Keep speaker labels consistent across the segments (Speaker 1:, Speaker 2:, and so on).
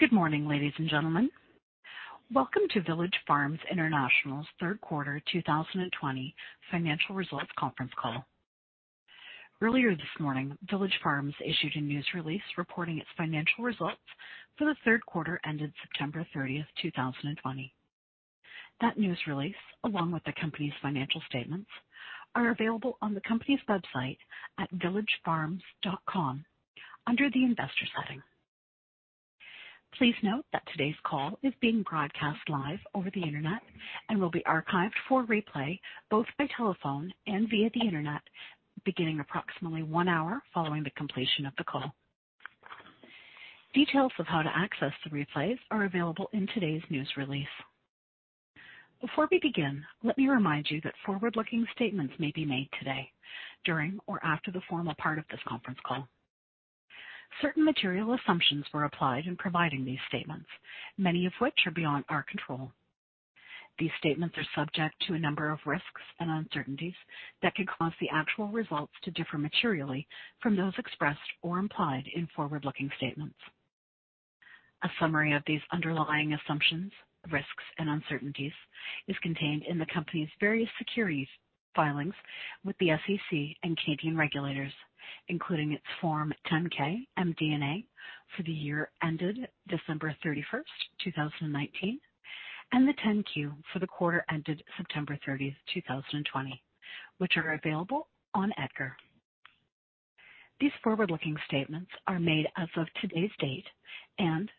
Speaker 1: Good morning, ladies and gentlemen. Welcome to Village Farms International's third quarter 2020 financial results conference call. Earlier this morning, Village Farms issued a news release reporting its financial results for the third quarter ended September 30, 2020. That news release, along with the company's financial statements, are available on the company's website at villagefarms.com under the investor heading. Please note that today's call is being broadcast live over the internet and will be archived for replay both by telephone and via the internet, beginning approximately one hour following the completion of the call. Details of how to access the replays are available in today's news release. Before we begin, let me remind you that forward-looking statements may be made today, during or after the formal part of this conference call. Certain material assumptions were applied in providing these statements, many of which are beyond our control. These statements are subject to a number of risks and uncertainties that could cause the actual results to differ materially from those expressed or implied in forward-looking statements. A summary of these underlying assumptions, risks, and uncertainties is contained in the company's various securities filings with the SEC and Canadian regulators, including its Form 10-K MD&A for the year ended December 31st 2019, and the 10-Q for the quarter ended September 30th 2020, which are available on EDGAR. These forward-looking statements are made as of today's date, and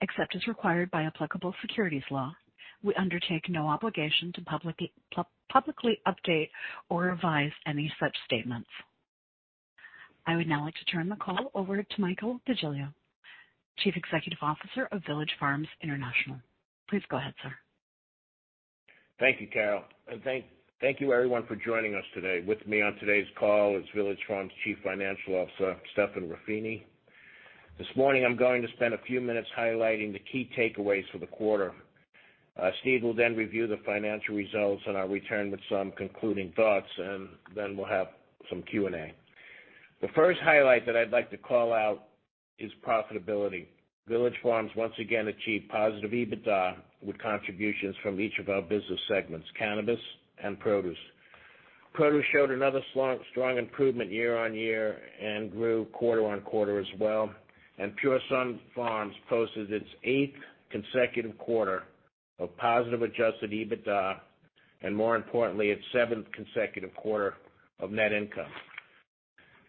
Speaker 1: except as required by applicable securities law, we undertake no obligation to publicly update or revise any such statements. I would now like to turn the call over to Michael DeGiglio, Chief Executive Officer of Village Farms International. Please go ahead, sir.
Speaker 2: Thank you, Carol, thank you, everyone, for joining us today. With me on today's call is Village Farms Chief Financial Officer, Stephen Ruffini. This morning I'm going to spend a few minutes highlighting the key takeaways for the quarter. Steve will then review the financial results. I'll return with some concluding thoughts. Then we'll have some Q&A. The first highlight that I'd like to call out is profitability. Village Farms once again achieved positive EBITDA with contributions from each of our business segments, cannabis and produce. Produce showed another strong improvement year-on-year and grew quarter-on-quarter as well. Pure Sunfarms posted its eighth consecutive quarter of positive adjusted EBITDA, and more importantly, its seventh consecutive quarter of net income.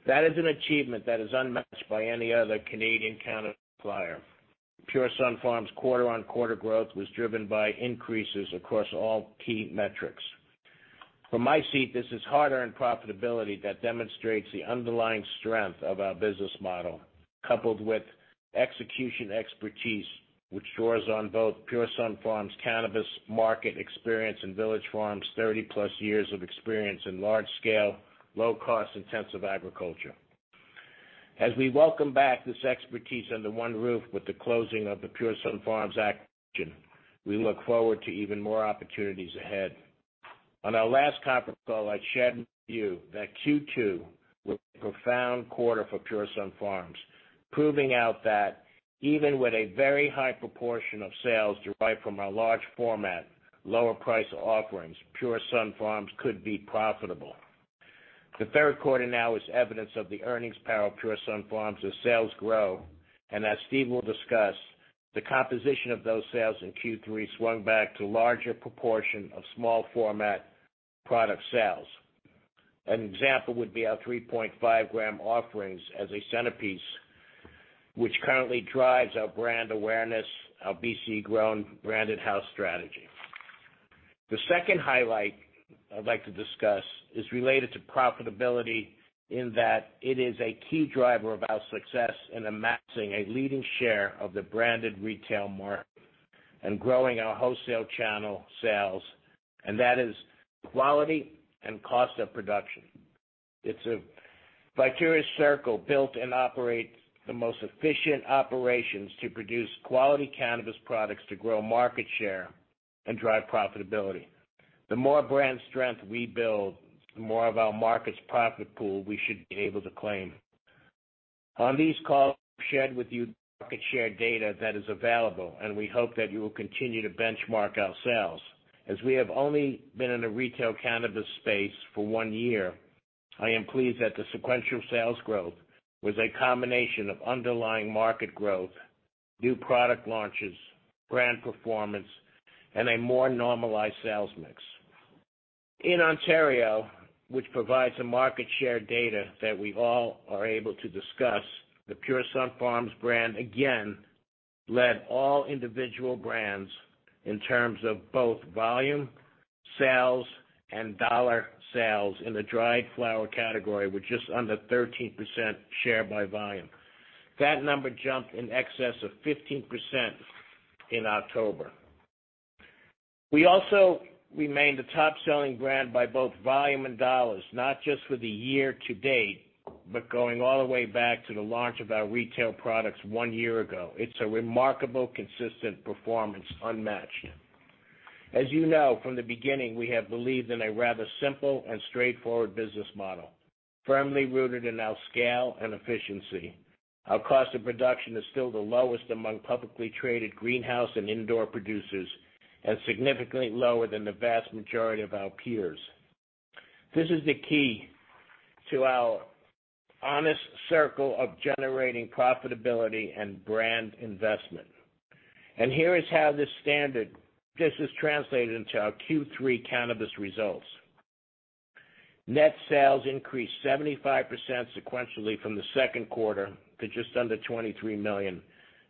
Speaker 2: That is an achievement that is unmatched by any other Canadian cannabis supplier. Pure Sunfarms quarter-on-quarter growth was driven by increases across all key metrics. From my seat, this is hard-earned profitability that demonstrates the underlying strength of our business model, coupled with execution expertise, which draws on both Pure Sunfarms cannabis market experience and Village Farms 30+ years of experience in large-scale, low-cost-intensive agriculture. As we welcome back this expertise under one roof with the closing of the Pure Sunfarms acquisition, we look forward to even more opportunities ahead. On our last conference call, I shared with you that Q2 was a profound quarter for Pure Sunfarms, proving out that even with a very high proportion of sales derived from our large format, lower price offerings, Pure Sunfarms could be profitable. The third quarter now is evidence of the earnings power of Pure Sunfarms as sales grow, and as Steve will discuss, the composition of those sales in Q3 swung back to larger proportion of small format product sales. An example would be our 3.5-g offerings as a centerpiece, which currently drives our brand awareness, our BC Grown branded house strategy. The second highlight I'd like to discuss is related to profitability in that it is a key driver of our success in amassing a leading share of the branded retail market and growing our wholesale channel sales, and that is quality and cost of production. It's a virtuous circle, built and operates the most efficient operations to produce quality cannabis products to grow market share and drive profitability. The more brand strength we build, the more of our market's profit pool we should be able to claim. On these calls, we've shared with you market share data that is available, and we hope that you will continue to benchmark our sales. As we have only been in the retail cannabis space for one year, I am pleased that the sequential sales growth was a combination of underlying market growth, new product launches, brand performance, and a more normalized sales mix. In Ontario, which provides the market share data that we all are able to discuss, the Pure Sunfarms brand again led all individual brands in terms of both volume, sales, and dollar sales in the dried flower category with just under 13% share by volume. That number jumped in excess of 15% in October. We also remained a top-selling brand by both volume and dollars, not just for the year-to-date, but going all the way back to the launch of our retail products one year ago. It's a remarkable, consistent performance, unmatched. As you know, from the beginning, we have believed in a rather simple and straightforward business model, firmly rooted in our scale and efficiency. Our cost of production is still the lowest among publicly traded greenhouse and indoor producers and significantly lower than the vast majority of our peers. This is the key to our virtuous circle of generating profitability and brand investment. Here is how this is translated into our Q3 cannabis results. Net sales increased 75% sequentially from the second quarter to just under 23 million,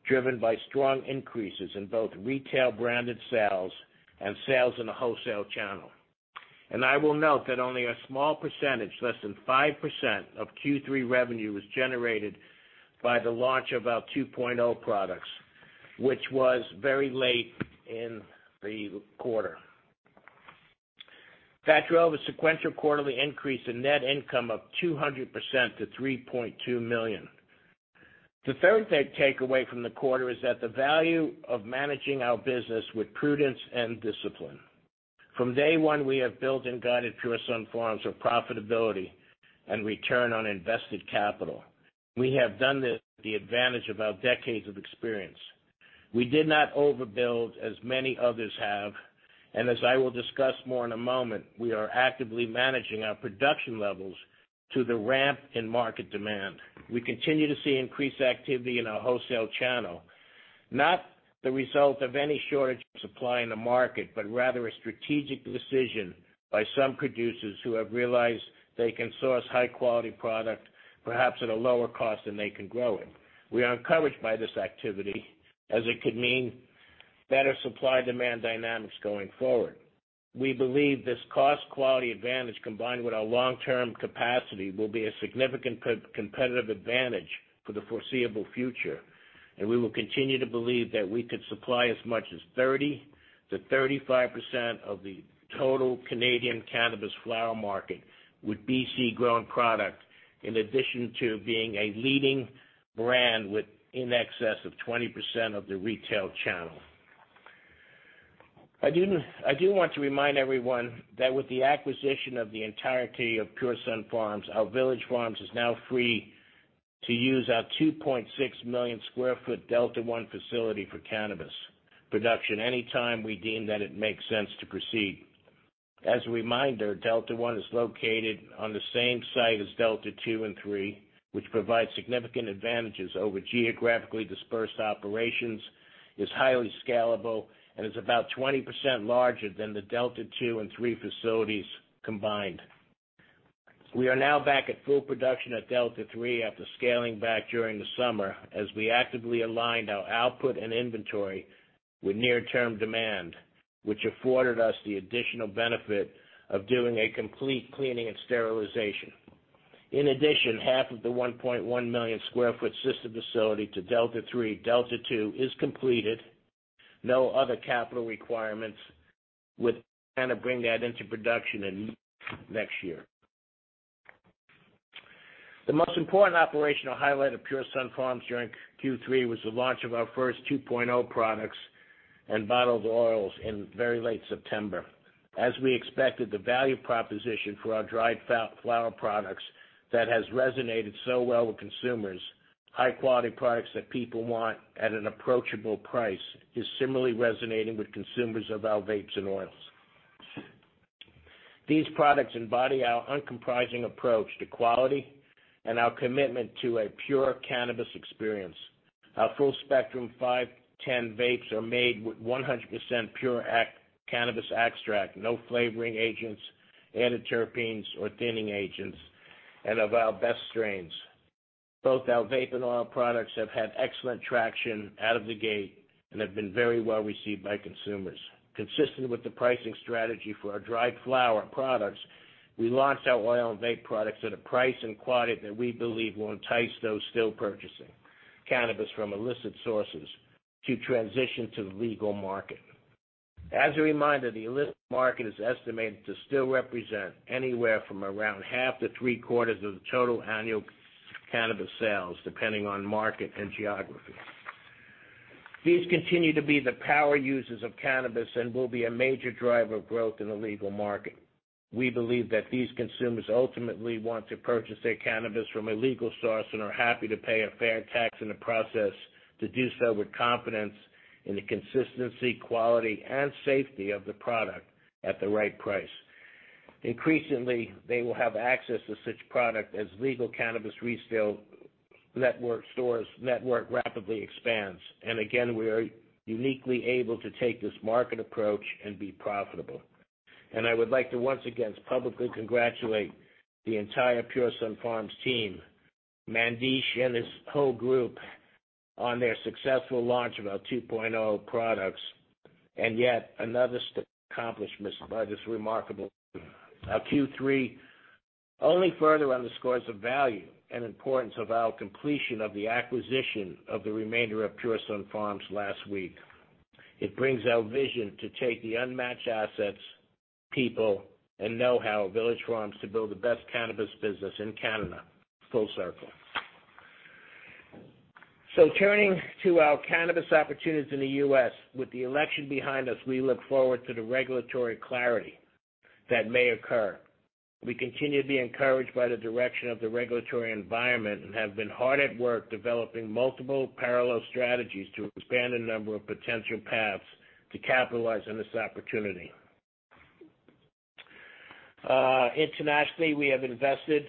Speaker 2: driven by strong increases in both retail branded sales and sales in the wholesale channel. I will note that only a small percentage, less than 5%, of Q3 revenue was generated by the launch of our 2.0 products, which was very late in the quarter. That drove a sequential quarterly increase in net income of 200% to 3.2 million. The third takeaway from the quarter is that the value of managing our business with prudence and discipline. From day one, we have built and guided Pure Sunfarms with profitability and return on invested capital. We have done this with the advantage of our decades of experience. We did not overbuild as many others have, and as I will discuss more in a moment, we are actively managing our production levels to the ramp in market demand. We continue to see increased activity in our wholesale channel, not the result of any shortage of supply in the market, but rather a strategic decision by some producers who have realized they can source high-quality product perhaps at a lower cost than they can grow it. We are encouraged by this activity as it could mean better supply-demand dynamics going forward. We believe this cost quality advantage, combined with our long-term capacity, will be a significant competitive advantage for the foreseeable future, and we will continue to believe that we could supply as much as 30%-35% of the total Canadian cannabis flower market with BC Grown product, in addition to being a leading brand with in excess of 20% of the retail channel. I do want to remind everyone that with the acquisition of the entirety of Pure Sunfarms, our Village Farms is now free to use our 2.6 million sq ft Delta 1 facility for cannabis production any time we deem that it makes sense to proceed. As a reminder, Delta 1 is located on the same site as Delta 2 and 3, which provides significant advantages over geographically dispersed operations, is highly scalable, and is about 20% larger than the Delta 2 and 3 facilities combined. We are now back at full production at Delta 3 after scaling back during the summer as we actively aligned our output and inventory with near-term demand, which afforded us the additional benefit of doing a complete cleaning and sterilization. In addition, half of the 1.1 million sq ft sister facility to Delta 3, Delta 2, is completed. No other capital requirements would kind of bring that into production in next year. The most important operational highlight of Pure Sunfarms during Q3 was the launch of our first 2.0 products and bottled oils in very late September. As we expected, the value proposition for our dried flower products that has resonated so well with consumers, high-quality products that people want at an approachable price, is similarly resonating with consumers of our vapes and oils. These products embody our uncompromising approach to quality and our commitment to a pure cannabis experience. Our full spectrum 510 vapes are made with 100% pure cannabis extract, no flavoring agents, added terpenes, or thinning agents and of our best strains. Both our vape and oil products have had excellent traction out of the gate and have been very well received by consumers. Consistent with the pricing strategy for our dried flower products, we launched our oil and vape products at a price and quality that we believe will entice those still purchasing cannabis from illicit sources to transition to the legal market. As a reminder, the illicit market is estimated to still represent anywhere from around half to three-quarters of the total annual cannabis sales, depending on market and geography. These continue to be the power users of cannabis and will be a major driver of growth in the legal market. We believe that these consumers ultimately want to purchase their cannabis from a legal source and are happy to pay a fair tax in the process to do so with confidence in the consistency, quality, and safety of the product at the right price. Increasingly, they will have access to such product as legal cannabis retail network stores network rapidly expands. Again, we are uniquely able to take this market approach and be profitable. I would like to once again publicly congratulate the entire Pure Sunfarms team, Mandesh and his whole group, on their successful launch of our 2.0 products, and yet another accomplishment by this remarkable team. Our Q3 only further underscores the value and importance of our completion of the acquisition of the remainder of Pure Sunfarms last week. It brings our vision to take the unmatched assets, people, and know-how of Village Farms to build the best cannabis business in Canada full circle. Turning to our cannabis opportunities in the U.S., with the election behind us, we look forward to the regulatory clarity that may occur. We continue to be encouraged by the direction of the regulatory environment and have been hard at work developing multiple parallel strategies to expand the number of potential paths to capitalize on this opportunity. Internationally, we have invested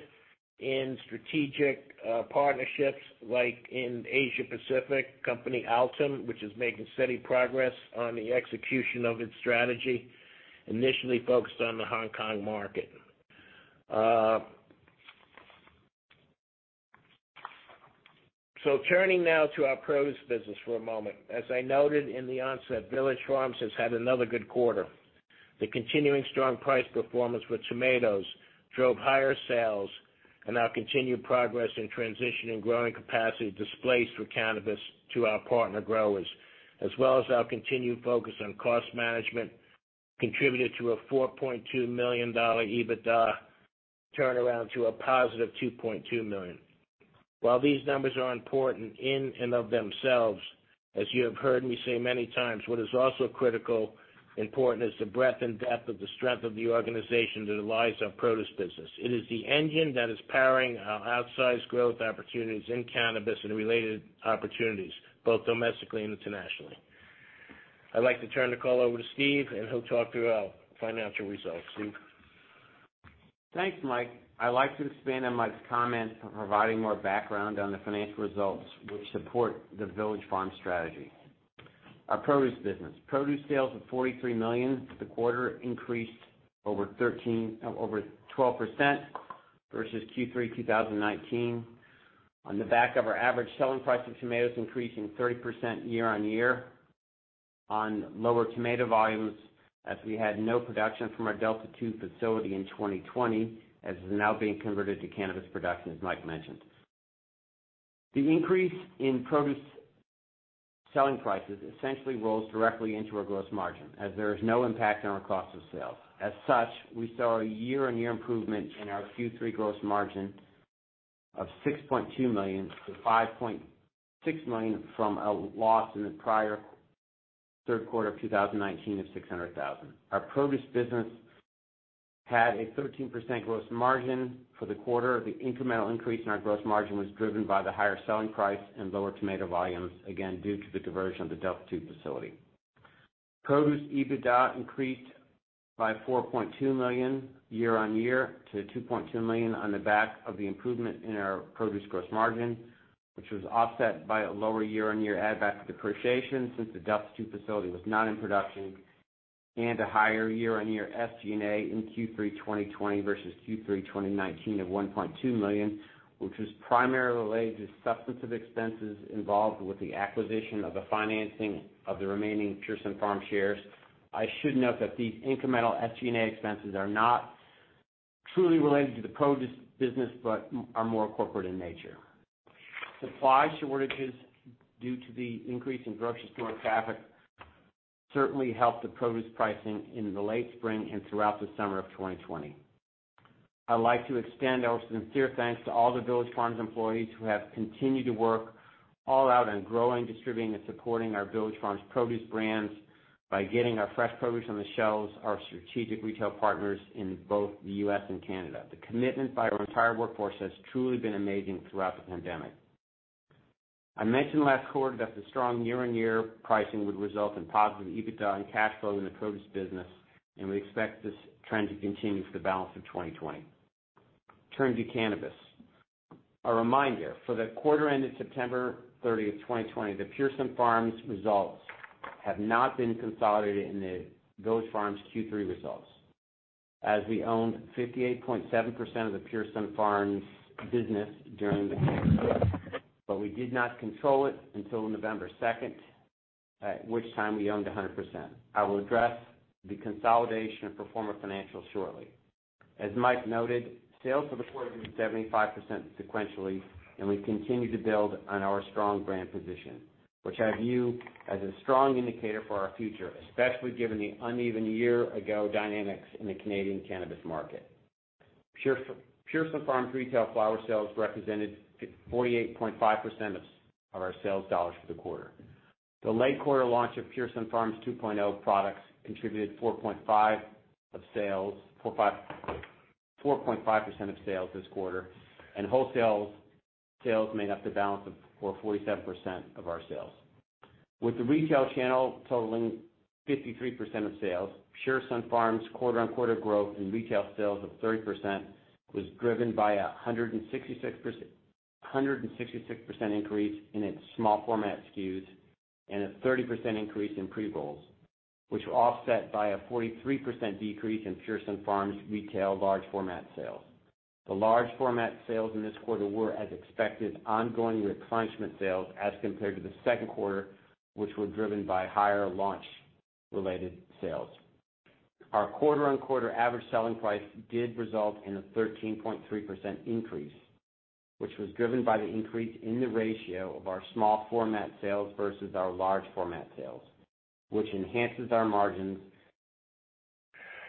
Speaker 2: in strategic partnerships, like in Asia-Pacific, company Altum, which is making steady progress on the execution of its strategy, initially focused on the Hong Kong market. Turning now to our produce business for a moment. As I noted in the onset, Village Farms has had another good quarter. The continuing strong price performance with tomatoes drove higher sales, and our continued progress in transitioning growing capacity displaced for cannabis to our partner growers, as well as our continued focus on cost management contributed to a 4.2 million dollar EBITDA turnaround to a +2.2 million. While these numbers are important in and of themselves, as you have heard me say many times, what is also critical important is the breadth and depth of the strength of the organization that underlies our produce business. It is the engine that is powering our outsized growth opportunities in cannabis and related opportunities, both domestically and internationally. I'd like to turn the call over to Steve and he'll talk through our financial results. Steve?
Speaker 3: Thanks, Mike. I'd like to expand on Mike's comment providing more background on the financial results which support the Village Farms strategy. Our produce business. Produce sales of 43 million for the quarter increased over 12% versus Q3 2019 on the back of our average selling price of tomatoes increasing 30% year-on-year on lower tomato volumes as we had no production from our Delta 2 facility in 2020, as is now being converted to cannabis production, as Mike mentioned. The increase in produce selling prices essentially rolls directly into our gross margin, as there is no impact on our cost of sales. We saw a year-on-year improvement in our Q3 gross margin of 6.2 million to 5.6 million from a loss in the prior third quarter of 2019 of 600,000. Our produce business had a 13% gross margin for the quarter. The incremental increase in our gross margin was driven by the higher selling price and lower tomato volumes, again, due to the diversion of the Delta 2 facility. Produce EBITDA increased by 4.2 million year-on-year to 2.2 million on the back of the improvement in our produce gross margin, which was offset by a lower year-on-year add-back depreciation since the Delta 2 facility was not in production and a higher year-on-year SG&A in Q3 2020 versus Q3 2019 of 1.2 million, which was primarily related to substantive expenses involved with the acquisition of the financing of the remaining Pure Sunfarms shares. I should note that these incremental SG&A expenses are not truly related to the produce business, but are more corporate in nature. Supply shortages due to the increase in grocery store traffic certainly helped the produce pricing in the late spring and throughout the summer of 2020. I'd like to extend our sincere thanks to all the Village Farms employees who have continued to work all out on growing, distributing, and supporting our Village Farms produce brands by getting our fresh produce on the shelves of our strategic retail partners in both the U.S. and Canada. The commitment by our entire workforce has truly been amazing throughout the pandemic. I mentioned last quarter that the strong year-on-year pricing would result in positive EBITDA and cash flow in the produce business, and we expect this trend to continue for the balance of 2020. Turning to cannabis. A reminder, for the quarter ended September 30th, 2020, the Pure Sunfarms results have not been consolidated in the Village Farms Q3 results as we owned 58.7% of the Pure Sunfarms business during the quarter, but we did not control it until November 2nd, at which time we owned 100%. I will address the consolidation of pro forma financials shortly. As Mike noted, sales for the quarter grew 75% sequentially, and we continue to build on our strong brand position, which I view as a strong indicator for our future, especially given the uneven year-ago dynamics in the Canadian cannabis market. Pure Sunfarms retail flower sales represented 48.5% of our sales dollars for the quarter. The late quarter launch of Pure Sunfarms 2.0 products contributed 4.5% of sales this quarter, and wholesale sales made up the balance of 47% of our sales. With the retail channel totaling 53% of sales, Pure Sunfarms quarter-on-quarter growth in retail sales of 30% was driven by 166% increase in its small format SKUs and a 30% increase in pre-rolls, which were offset by a 43% decrease in Pure Sunfarms retail large format sales. The large format sales in this quarter were, as expected, ongoing replenishment sales as compared to the second quarter, which were driven by higher launch-related sales. Our quarter-on-quarter average selling price did result in a 13.3% increase, which was driven by the increase in the ratio of our small format sales versus our large format sales, which enhances our margins.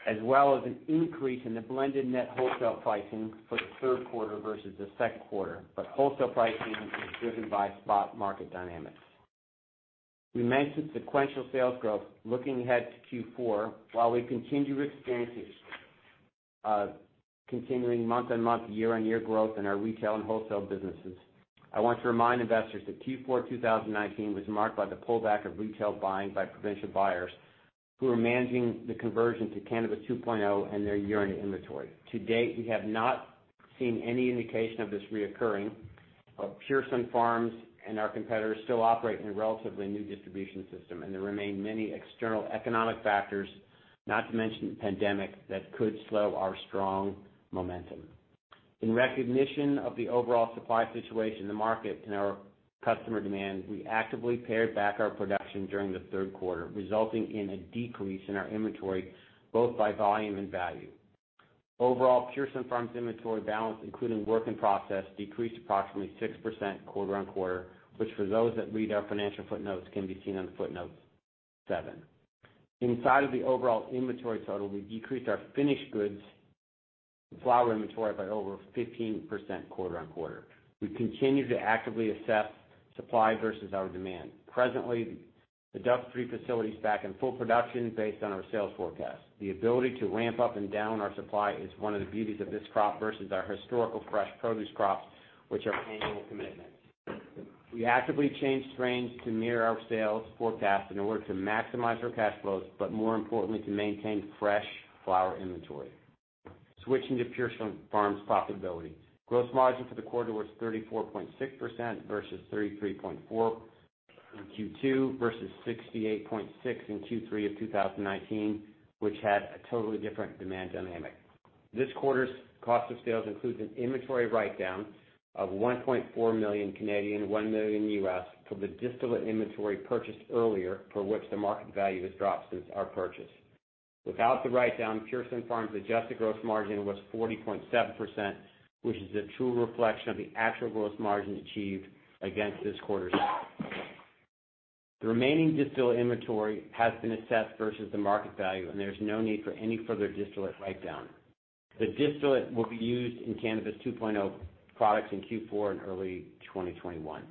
Speaker 3: As well as an increase in the blended net wholesale pricing for the third quarter versus the second quarter. Wholesale pricing is driven by spot market dynamics. We mentioned sequential sales growth looking ahead to Q4 while we continue to experience continuing month-on-month, year-on-year growth in our retail and wholesale businesses. I want to remind investors that Q4 2019 was marked by the pullback of retail buying by provincial buyers who were managing the conversion to Cannabis 2.0 and their year-end inventory. To date, we have not seen any indication of this reoccurring. Pure Sunfarms and our competitors still operate in a relatively new distribution system, and there remain many external economic factors, not to mention the pandemic, that could slow our strong momentum. In recognition of the overall supply situation in the market and our customer demand, we actively pared back our production during the third quarter, resulting in a decrease in our inventory both by volume and value. Overall, Pure Sunfarms inventory balance, including work in process, decreased approximately 6% quarter-over-quarter, which for those that read our financial footnotes, can be seen on footnote seven. Inside of the overall inventory total, we decreased our finished goods and flower inventory by over 15% quarter-over-quarter. We continue to actively assess supply versus our demand. Presently, the Delta 3 facility is back in full production based on our sales forecast. The ability to ramp up and down our supply is one of the beauties of this crop versus our historical fresh produce crops, which are annual commitments. We actively change strains to mirror our sales forecast in order to maximize our cash flows, but more importantly, to maintain fresh flower inventory. Switching to Pure Sunfarms profitability. Gross margin for the quarter was 34.6% versus 33.4% in Q2 versus 68.6% in Q3 of 2019, which had a totally different demand dynamic. This quarter's cost of sales includes an inventory write-down of 1.4 million, $1 million, for the distillate inventory purchased earlier, for which the market value has dropped since our purchase. Without the write-down, Pure Sunfarms adjusted gross margin was 40.7%, which is a true reflection of the actual gross margin achieved against this quarter. The remaining distillate inventory has been assessed versus the market value, and there's no need for any further distillate write-down. The distillate will be used in Cannabis 2.0 products in Q4 and early 2021.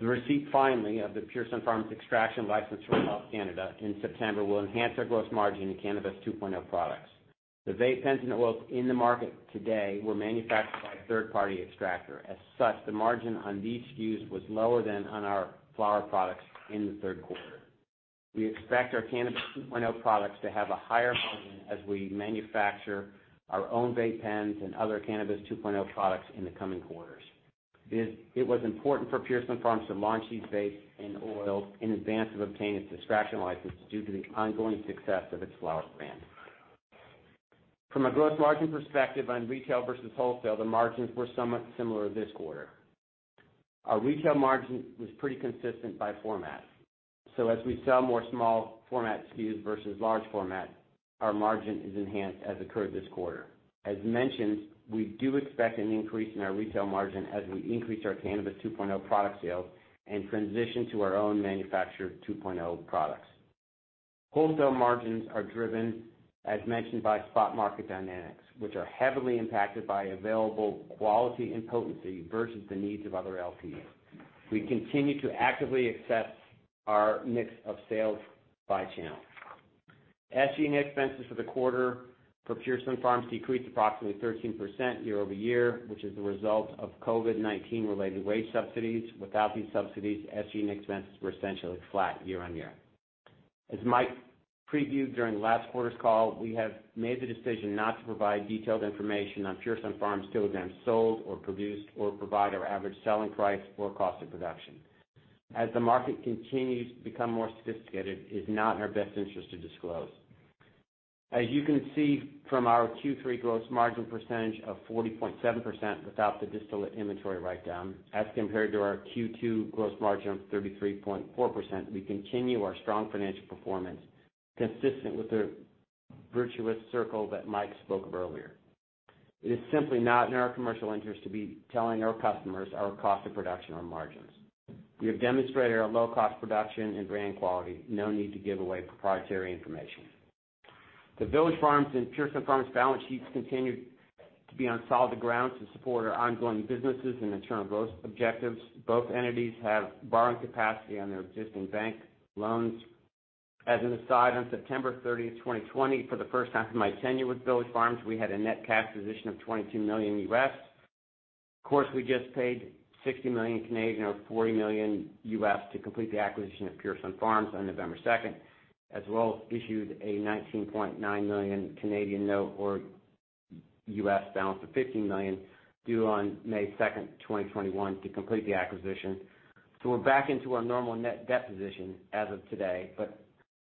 Speaker 3: The receipt finally of the Pure Sunfarms extraction license from Health Canada in September will enhance our gross margin in Cannabis 2.0 products. The vape pens and oils in the market today were manufactured by a third-party extractor. As such, the margin on these SKUs was lower than on our flower products in the third quarter. We expect our Cannabis 2.0 products to have a higher margin as we manufacture our own vape pens and other Cannabis 2.0 products in the coming quarters. It was important for Pure Sunfarms to launch these vapes and oils in advance of obtaining its extraction license due to the ongoing success of its flower brand. From a gross margin perspective on retail versus wholesale, the margins were somewhat similar this quarter. Our retail margin was pretty consistent by format. As we sell more small format SKUs versus large format, our margin is enhanced as occurred this quarter. As mentioned, we do expect an increase in our retail margin as we increase our Cannabis 2.0 product sales and transition to our own manufactured 2.0 products. Wholesale margins are driven, as mentioned, by spot market dynamics, which are heavily impacted by available quality and potency versus the needs of other LPs. We continue to actively assess our mix of sales by channel. SG&A expenses for the quarter for Pure Sunfarms decreased approximately 13% year over year, which is the result of COVID-19 related wage subsidies. Without these subsidies, SG&A expenses were essentially flat year-on-year. As Mike previewed during last quarter's call, we have made the decision not to provide detailed information on Pure Sunfarms kilograms sold or produced or provide our average selling price or cost of production. As the market continues to become more sophisticated, it is not in our best interest to disclose. As you can see from our Q3 gross margin percentage of 40.7% without the distillate inventory write-down, as compared to our Q2 gross margin of 33.4%, we continue our strong financial performance consistent with the virtuous circle that Mike spoke of earlier. It is simply not in our commercial interest to be telling our customers our cost of production or margins. We have demonstrated our low-cost production and brand quality. No need to give away proprietary information. The Village Farms and Pure Sunfarms balance sheets continue to be on solid ground to support our ongoing businesses and internal growth objectives. Both entities have borrowing capacity on their existing bank loans. As an aside, on September 30th, 2020, for the first time in my tenure with Village Farms, we had a net cash position of $22 million. We just paid 60 million, or $40 million, to complete the acquisition of Pure Sunfarms on November 2, as well as issued a 19.9 million note or $15 million balance due on May 2, 2021 to complete the acquisition. We're back into our normal net debt position as of today, but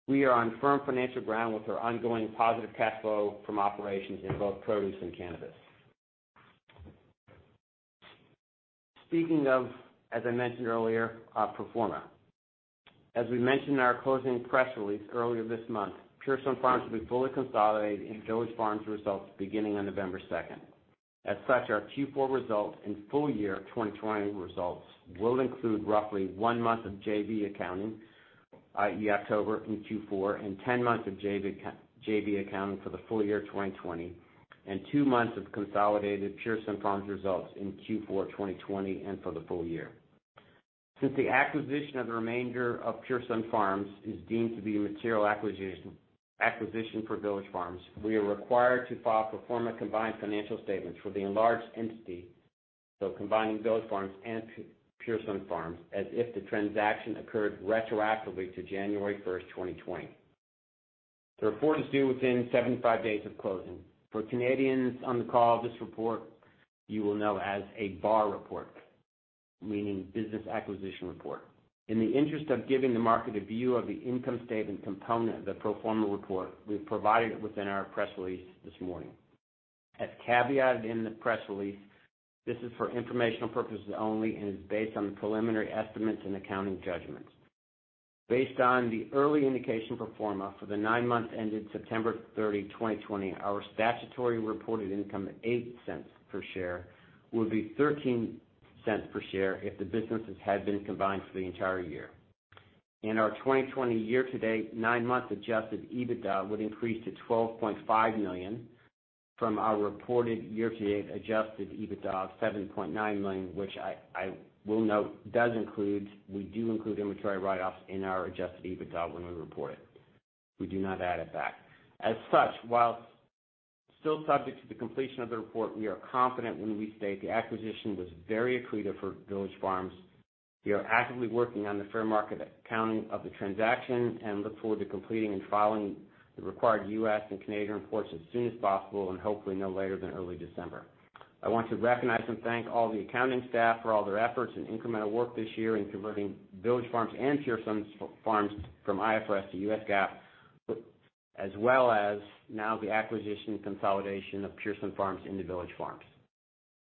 Speaker 3: we are on firm financial ground with our ongoing positive cash flow from operations in both produce and cannabis. As we mentioned in our closing press release earlier this month, Pure Sunfarms will be fully consolidated in Village Farms results beginning on November second. As such, our Q4 results and full-year 2020 results will include roughly one month of JV accounting, i.e. October in Q4, and 10 months of JV accounting for the full-year 2020, and two months of consolidated Pure Sunfarms results in Q4 2020 and for the full-year. Since the acquisition of the remainder of Pure Sunfarms is deemed to be a material acquisition for Village Farms, we are required to file pro forma combined financial statements for the enlarged entity, so combining Village Farms and Pure Sunfarms as if the transaction occurred retroactively to January 1st, 2020. The report is due within 75 days of closing. For Canadians on the call, this report you will know as a BAR report, meaning business acquisition report. In the interest of giving the market a view of the income statement component of the pro forma report, we've provided it within our press release this morning. As caveated in the press release, this is for informational purposes only and is based on the preliminary estimates and accounting judgments. Based on the early indication pro forma for the nine months ended September 30, 2020, our statutory reported income of 0.08 per share would be 0.13 per share if the businesses had been combined for the entire year. In our 2020 year-to-date, nine months adjusted EBITDA would increase to 12.5 million from our reported year-to-date adjusted EBITDA of 7.9 million, which I will note, we do include inventory write-offs in our adjusted EBITDA when we report it. While still subject to the completion of the report, we are confident when we state the acquisition was very accretive for Village Farms. We are actively working on the fair market accounting of the transaction and look forward to completing and filing the required U.S. and Canadian reports as soon as possible and hopefully no later than early December. I want to recognize and thank all the accounting staff for all their efforts and incremental work this year in converting Village Farms and Pure Sunfarms from IFRS to U.S. GAAP, as well as now the acquisition consolidation of Pure Sunfarms into Village Farms.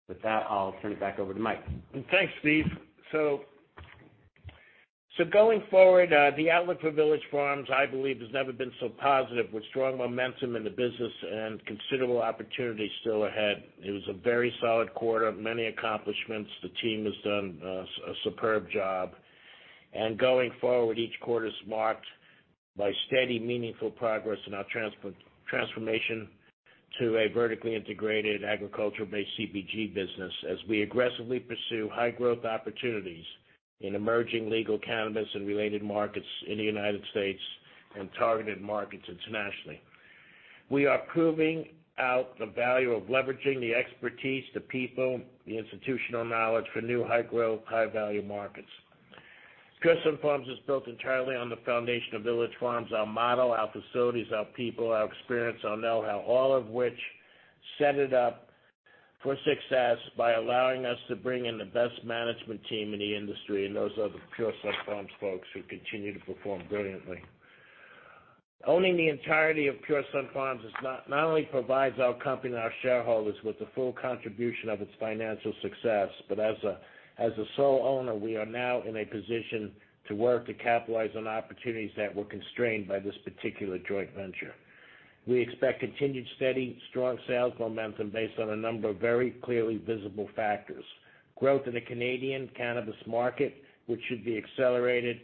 Speaker 3: With that, I'll turn it back over to Mike.
Speaker 2: Thanks, Steve. Going forward, the outlook for Village Farms, I believe, has never been so positive with strong momentum in the business and considerable opportunities still ahead. It was a very solid quarter, many accomplishments. The team has done a superb job. Going forward, each quarter's marked by steady, meaningful progress in our transformation to a vertically integrated agriculture-based CPG business as we aggressively pursue high-growth opportunities in emerging legal cannabis and related markets in the U.S. and targeted markets internationally. We are proving out the value of leveraging the expertise, the people, the institutional knowledge for new high-growth, high-value markets. Pure Sunfarms is built entirely on the foundation of Village Farms, our model, our facilities, our people, our experience, our know-how, all of which set it up for success by allowing us to bring in the best management team in the industry, and those are the Pure Sunfarms folks who continue to perform brilliantly. Owning the entirety of Pure Sunfarms not only provides our company and our shareholders with the full contribution of its financial success, but as a sole owner, we are now in a position to work to capitalize on opportunities that were constrained by this particular joint venture. We expect continued steady, strong sales momentum based on a number of very clearly visible factors. Growth in the Canadian cannabis market, which should be accelerated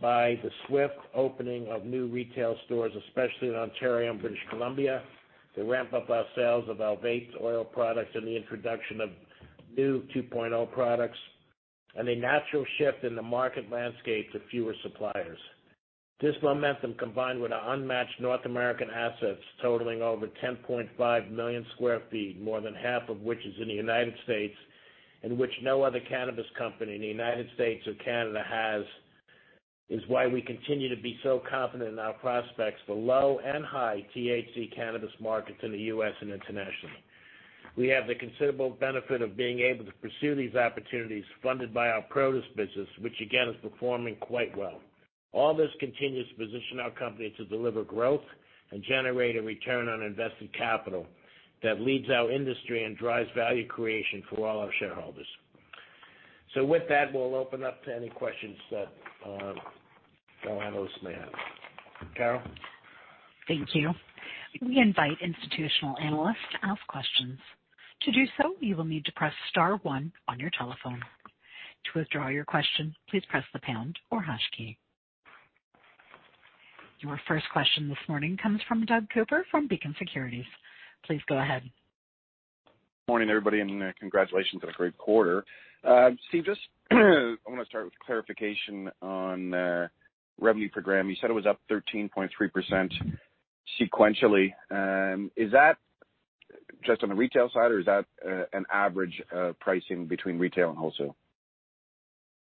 Speaker 2: by the swift opening of new retail stores, especially in Ontario and British Columbia, to ramp up our sales of our vapes oil products and the introduction of new 2.0 products, and a natural shift in the market landscape to fewer suppliers. This momentum, combined with our unmatched North American assets totaling over 10.5 million sq ft, more than half of which is in the United States, and which no other cannabis company in the United States or Canada has, is why we continue to be so confident in our prospects for low and high THC cannabis markets in the U.S. and internationally. We have the considerable benefit of being able to pursue these opportunities funded by our produce business, which again, is performing quite well. All this continues to position our company to deliver growth and generate a return on invested capital that leads our industry and drives value creation for all our shareholders. With that, we'll open up to any questions that our analysts may have. Carol?
Speaker 1: Thank you. We invite institutional analysts to ask questions. To do so, you will need to press star one on your telephone. To withdraw your question, please press the pound or hash key. Your first question this morning comes from Doug Cooper from Beacon Securities. Please go ahead.
Speaker 4: Morning, everybody, congratulations on a great quarter. Steve, I want to start with clarification on revenue per gram. You said it was up 13.3% sequentially. Is that just on the retail side or is that an average pricing between retail and wholesale?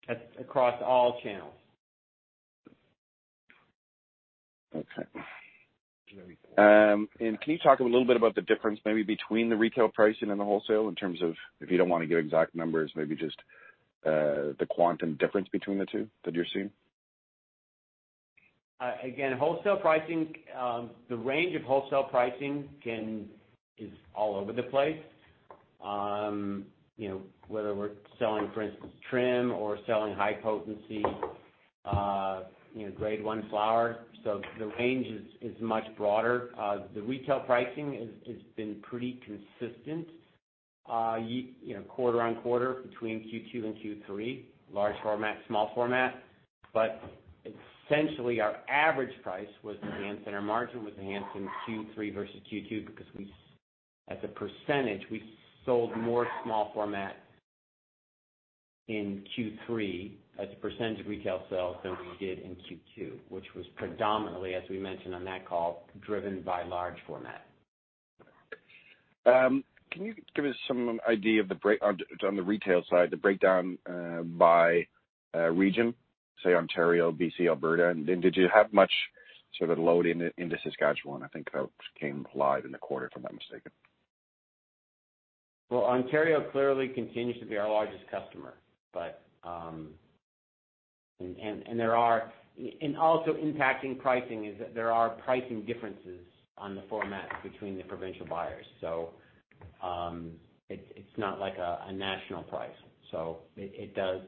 Speaker 3: That's across all channels.
Speaker 4: Okay. Can you talk a little bit about the difference maybe between the retail pricing and the wholesale in terms of, if you don't want to give exact numbers, maybe just the quantum difference between the two that you're seeing?
Speaker 3: Again, the range of wholesale pricing is all over the place. Whether we're selling, for instance, trim or selling high potency Grade 1 flower. The range is much broader. The retail pricing has been pretty consistent quarter-on-quarter between Q2 and Q3, large format, small format. Essentially, our average price was enhanced and our margin was enhanced in Q3 versus Q2 because as a percentage, we sold more small format in Q3 as a percentage of retail sales than we did in Q2, which was predominantly, as we mentioned on that call, driven by large format.
Speaker 4: Can you give us some idea on the retail side, the breakdown by region, say, Ontario, BC, Alberta, and did you have much sort of load into Saskatchewan? I think that came live in the quarter, if I'm not mistaken.
Speaker 3: Ontario clearly continues to be our largest customer. Also impacting pricing is that there are pricing differences on the format between the provincial buyers. It's not like a national price. It does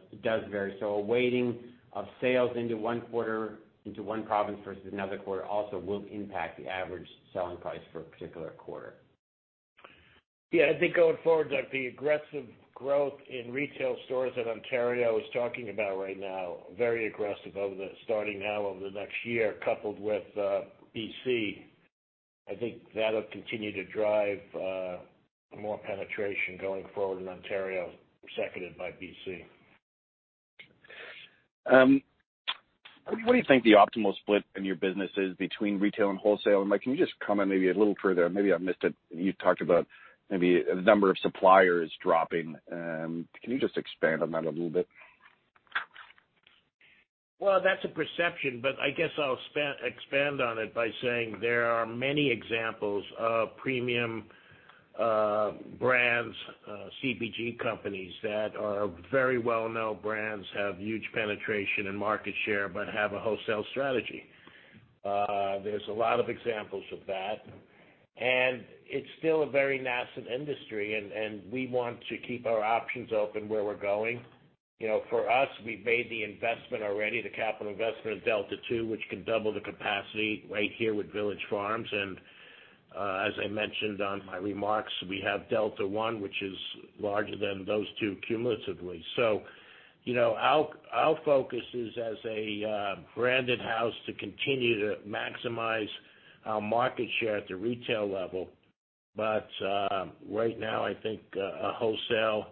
Speaker 3: vary. A weighting of sales into one province versus another quarter also will impact the average selling price for a particular quarter.
Speaker 2: Yeah, I think going forward, Doug, the aggressive growth in retail stores that Ontario is talking about right now, very aggressive starting now over the next year, coupled with BC, I think that'll continue to drive more penetration going forward in Ontario, seconded by BC.
Speaker 4: What do you think the optimal split in your business is between retail and wholesale? Mike, can you just comment maybe a little further? Maybe I missed it. You talked about maybe the number of suppliers dropping. Can you just expand on that a little bit?
Speaker 2: Well, that's a perception, but I guess I'll expand on it by saying there are many examples of premium brands, CPG companies that are very well-known brands, have huge penetration and market share, but have a wholesale strategy. There's a lot of examples of that. It's still a very nascent industry, and we want to keep our options open where we're going. For us, we've made the investment already, the capital investment in Delta 2, which can double the capacity right here with Village Farms. As I mentioned on my remarks, we have Delta 1, which is larger than those two cumulatively. Our focus is as a branded house to continue to maximize our market share at the retail level. Right now, I think a wholesale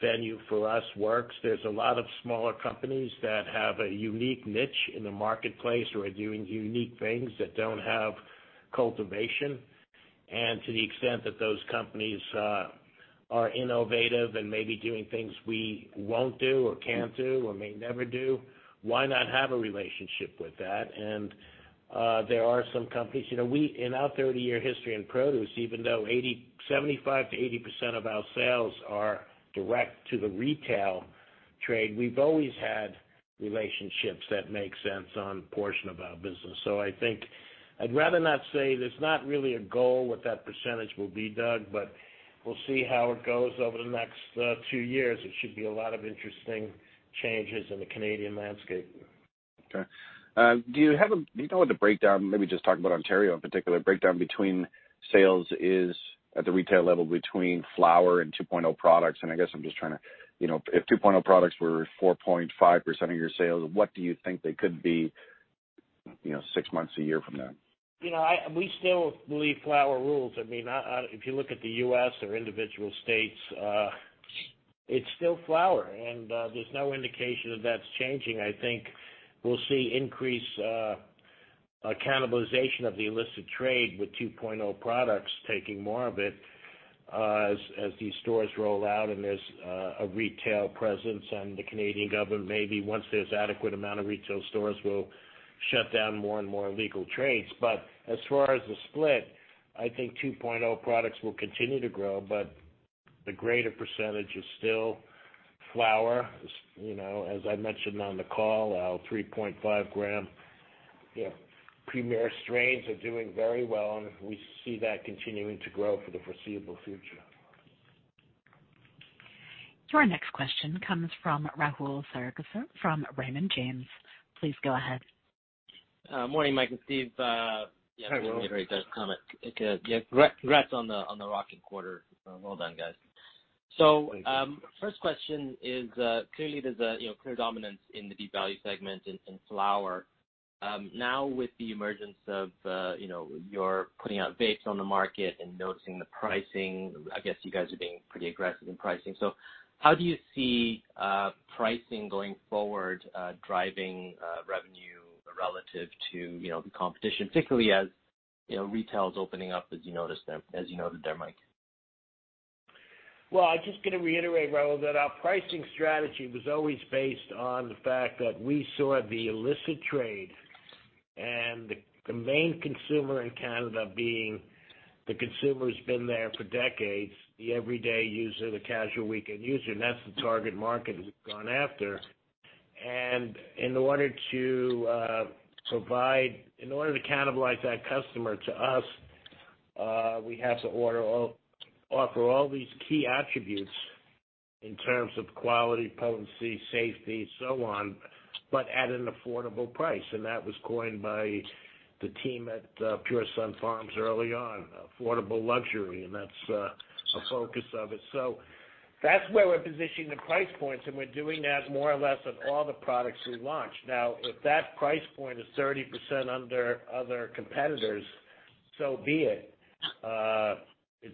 Speaker 2: venue for us works. There's a lot of smaller companies that have a unique niche in the marketplace who are doing unique things that don't have cultivation. To the extent that those companies are innovative and maybe doing things we won't do or can't do or may never do, why not have a relationship with that? There are some companies, in our 30-year history in produce, even though 75%-80% of our sales are direct to the retail trade, we've always had relationships that make sense on a portion of our business. I think I'd rather not say. There's not really a goal what that percentage will be, Doug, we'll see how it goes over the next two years. It should be a lot of interesting changes in the Canadian landscape.
Speaker 4: Okay. Do you know what the breakdown, maybe just talk about Ontario in particular, breakdown between sales is at the retail level between flower and 2.0 products? I guess I'm just trying to If 2.0 products were 4.5% of your sales, what do you think they could be six months to a year from now?
Speaker 2: We still believe flower rules. If you look at the U.S. or individual states, it's still flower, and there's no indication that that's changing. I think we'll see increased cannibalization of the illicit trade with 2.0 products taking more of it as these stores roll out and there's a retail presence. The Canadian government, maybe once there's adequate amount of retail stores, will shut down more and more illegal trades. As far as the split, I think 2.0 products will continue to grow, but the greater percentage is still flower. As I mentioned on the call, our 3.5-g premier strains are doing very well, and we see that continuing to grow for the foreseeable future.
Speaker 1: Your next question comes from Rahul Sarugaser from Raymond James. Please go ahead.
Speaker 5: Morning, Mike and Steve.
Speaker 2: Hi, Rahul.
Speaker 5: This is going to be a very quick comment. Congrats on the rocking quarter. Well done, guys.
Speaker 2: Thank you.
Speaker 5: First question is, clearly there's a clear dominance in the deep value segment in flower. Now with the emergence of you putting out vapes on the market and noticing the pricing, I guess you guys are being pretty aggressive in pricing. How do you see pricing going forward, driving revenue relative to the competition, particularly as retail is opening up as you noted there, Mike?
Speaker 2: I'm just going to reiterate, Rahul, that our pricing strategy was always based on the fact that we saw the illicit trade and the main consumer in Canada being the consumer who's been there for decades, the everyday user, the casual weekend user, and that's the target market we've gone after. In order to cannibalize that customer to us, we have to offer all these key attributes in terms of quality, potency, safety, so on, but at an affordable price. That was coined by the team at Pure Sunfarms early on, affordable luxury, and that's a focus of it. That's where we're positioning the price points, and we're doing that more or less on all the products we launch. If that price point is 30% under other competitors, so be it. You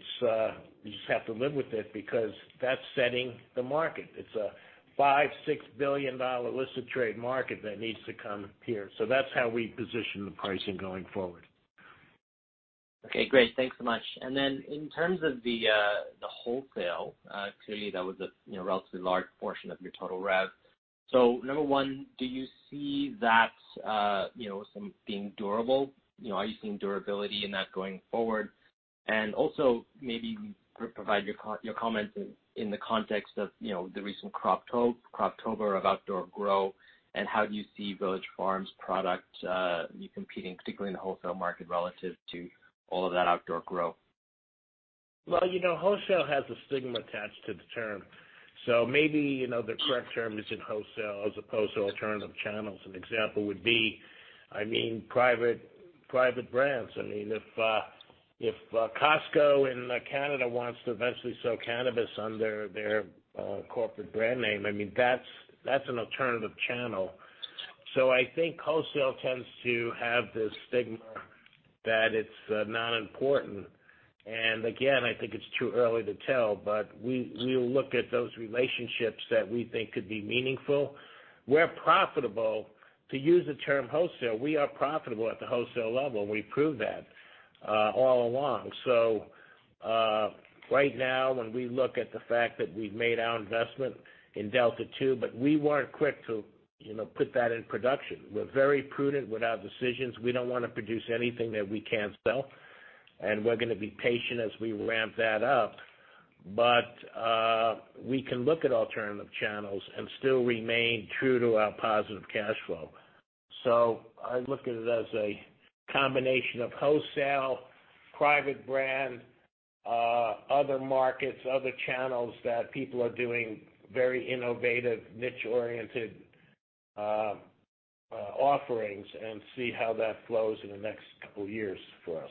Speaker 2: just have to live with it because that's setting the market. It's a 5 billion-6 billion dollar illicit trade market that needs to come here. That's how we position the pricing going forward.
Speaker 5: Okay, great. Thanks so much. In terms of the wholesale, clearly that was a relatively large portion of your total rev. Number one, do you see that being durable? Are you seeing durability in that going forward? Also maybe provide your comments in the context of the recent Croptober of outdoor grow and how do you see Village Farms product competing, particularly in the wholesale market relative to all of that outdoor grow?
Speaker 2: Well, wholesale has a stigma attached to the term. Maybe, the correct term isn't wholesale as opposed to alternative channels. An example would be private brands. If Costco in Canada wants to eventually sell cannabis under their corporate brand name, that's an alternative channel. I think wholesale tends to have this stigma that it's not important, and again, I think it's too early to tell, but we will look at those relationships that we think could be meaningful. We're profitable, to use the term wholesale, we are profitable at the wholesale level, and we proved that all along. Right now, when we look at the fact that we've made our investment in Delta 2, but we weren't quick to put that in production. We're very prudent with our decisions. We don't want to produce anything that we can't sell, and we're going to be patient as we ramp that up. We can look at alternative channels and still remain true to our positive cash flow. I look at it as a combination of wholesale, private brand, other markets, other channels that people are doing very innovative, niche-oriented offerings and see how that flows in the next couple of years for us.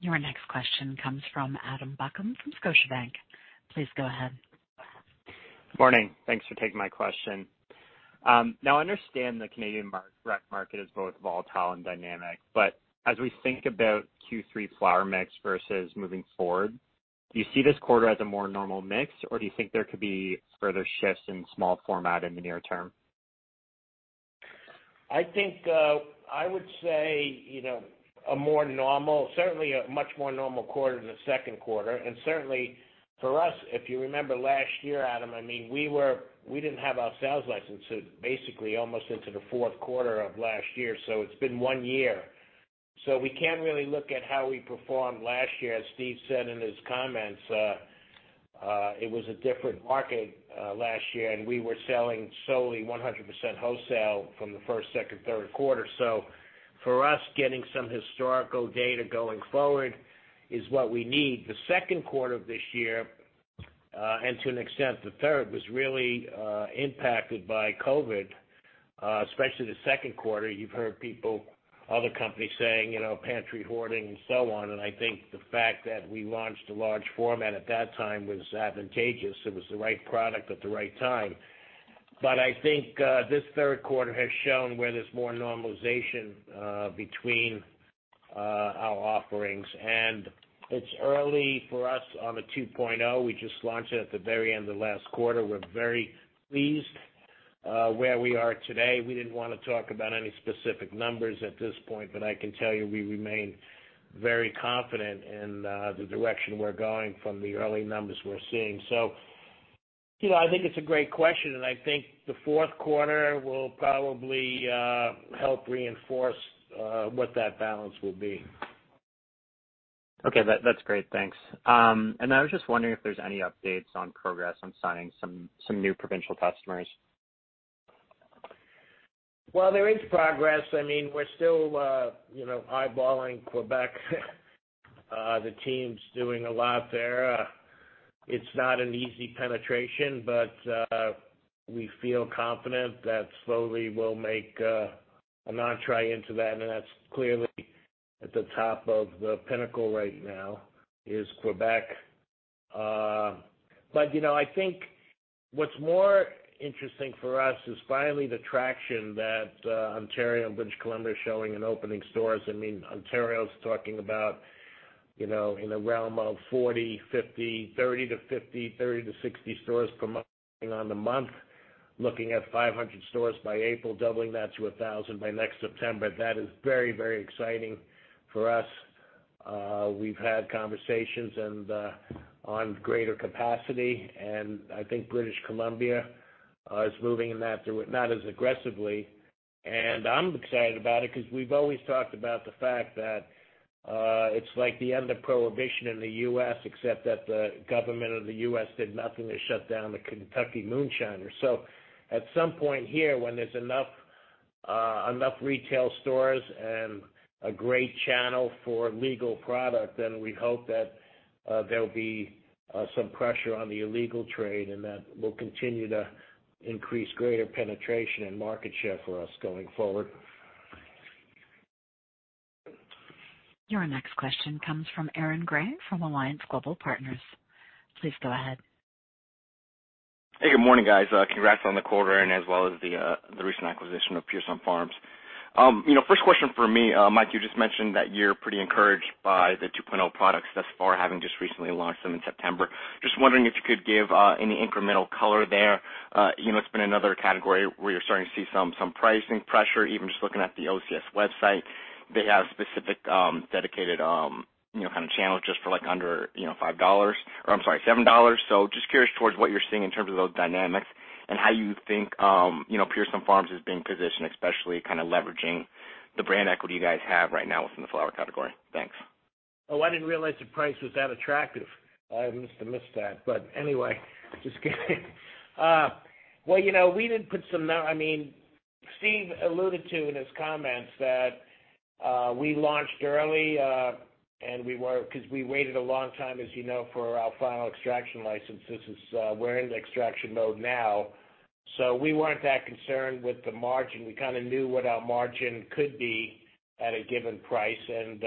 Speaker 1: Your next question comes from Adam Buckham from Scotiabank. Please go ahead.
Speaker 6: Morning. Thanks for taking my question. Now I understand the Canadian rec market is both volatile and dynamic, but as we think about Q3 flower mix versus moving forward, do you see this quarter as a more normal mix, or do you think there could be further shifts in small format in the near term?
Speaker 2: I would say certainly a much more normal quarter than the second quarter. Certainly for us, if you remember last year, Adam, we didn't have our sales license until basically almost into the fourth quarter of last year, so it's been one year. We can't really look at how we performed last year. As Steve said in his comments, it was a different market last year, and we were selling solely 100% wholesale from the first, second, third quarter. For us, getting some historical data going forward is what we need. The second quarter of this year, and to an extent the third, was really impacted by COVID, especially the second quarter. You've heard other companies saying, pantry hoarding and so on, and I think the fact that we launched a large format at that time was advantageous. It was the right product at the right time. I think this third quarter has shown where there's more normalization between our offerings. It's early for us on the 2.0. We just launched it at the very end of last quarter. We're very pleased where we are today. We didn't want to talk about any specific numbers at this point, but I can tell you we remain very confident in the direction we're going from the early numbers we're seeing. I think it's a great question, and I think the fourth quarter will probably help reinforce what that balance will be.
Speaker 6: Okay. That's great. Thanks. I was just wondering if there's any updates on progress on signing some new provincial customers.
Speaker 2: Well, there is progress. We're still eyeballing Quebec. The team's doing a lot there. It's not an easy penetration. We feel confident that slowly we'll make an entrée into that, and that's clearly at the top of the pinnacle right now, is Quebec. I think what's more interesting for us is finally the traction that Ontario and British Columbia are showing in opening stores. Ontario is talking about in the realm of 40, 50, 30-50, 30-60 stores per month, looking at 500 stores by April, doubling that to 1,000 by next September. That is very exciting for us. We've had conversations on greater capacity. I think British Columbia is moving in that, not as aggressively. I'm excited about it because we've always talked about the fact that. It's like the end of prohibition in the U.S., except that the government of the U.S. did nothing to shut down the Kentucky moonshiners. At some point here, when there's enough retail stores and a great channel for legal product, then we hope that there'll be some pressure on the illegal trade, and that will continue to increase greater penetration and market share for us going forward.
Speaker 1: Your next question comes from Aaron Grey from Alliance Global Partners. Please go ahead.
Speaker 7: Hey, good morning, guys. Congrats on the quarter and as well as the recent acquisition of Pure Sunfarms. First question from me, Mike, you just mentioned that you're pretty encouraged by the 2.0 products thus far, having just recently launched them in September. Just wondering if you could give any incremental color there. It's been another category where you're starting to see some pricing pressure. Even just looking at the OCS website, they have specific dedicated kind of channels just for under 7 dollars. Just curious towards what you're seeing in terms of those dynamics and how you think Pure Sunfarms is being positioned, especially kind of leveraging the brand equity you guys have right now within the flower category. Thanks.
Speaker 2: Oh, I didn't realize the price was that attractive. I must have missed that. Anyway, just kidding. Steve alluded to in his comments that we launched early, because we waited a long time, you know, for our final extraction license. We're in the extraction mode now. We weren't that concerned with the margin. We kind of knew what our margin could be at a given price, and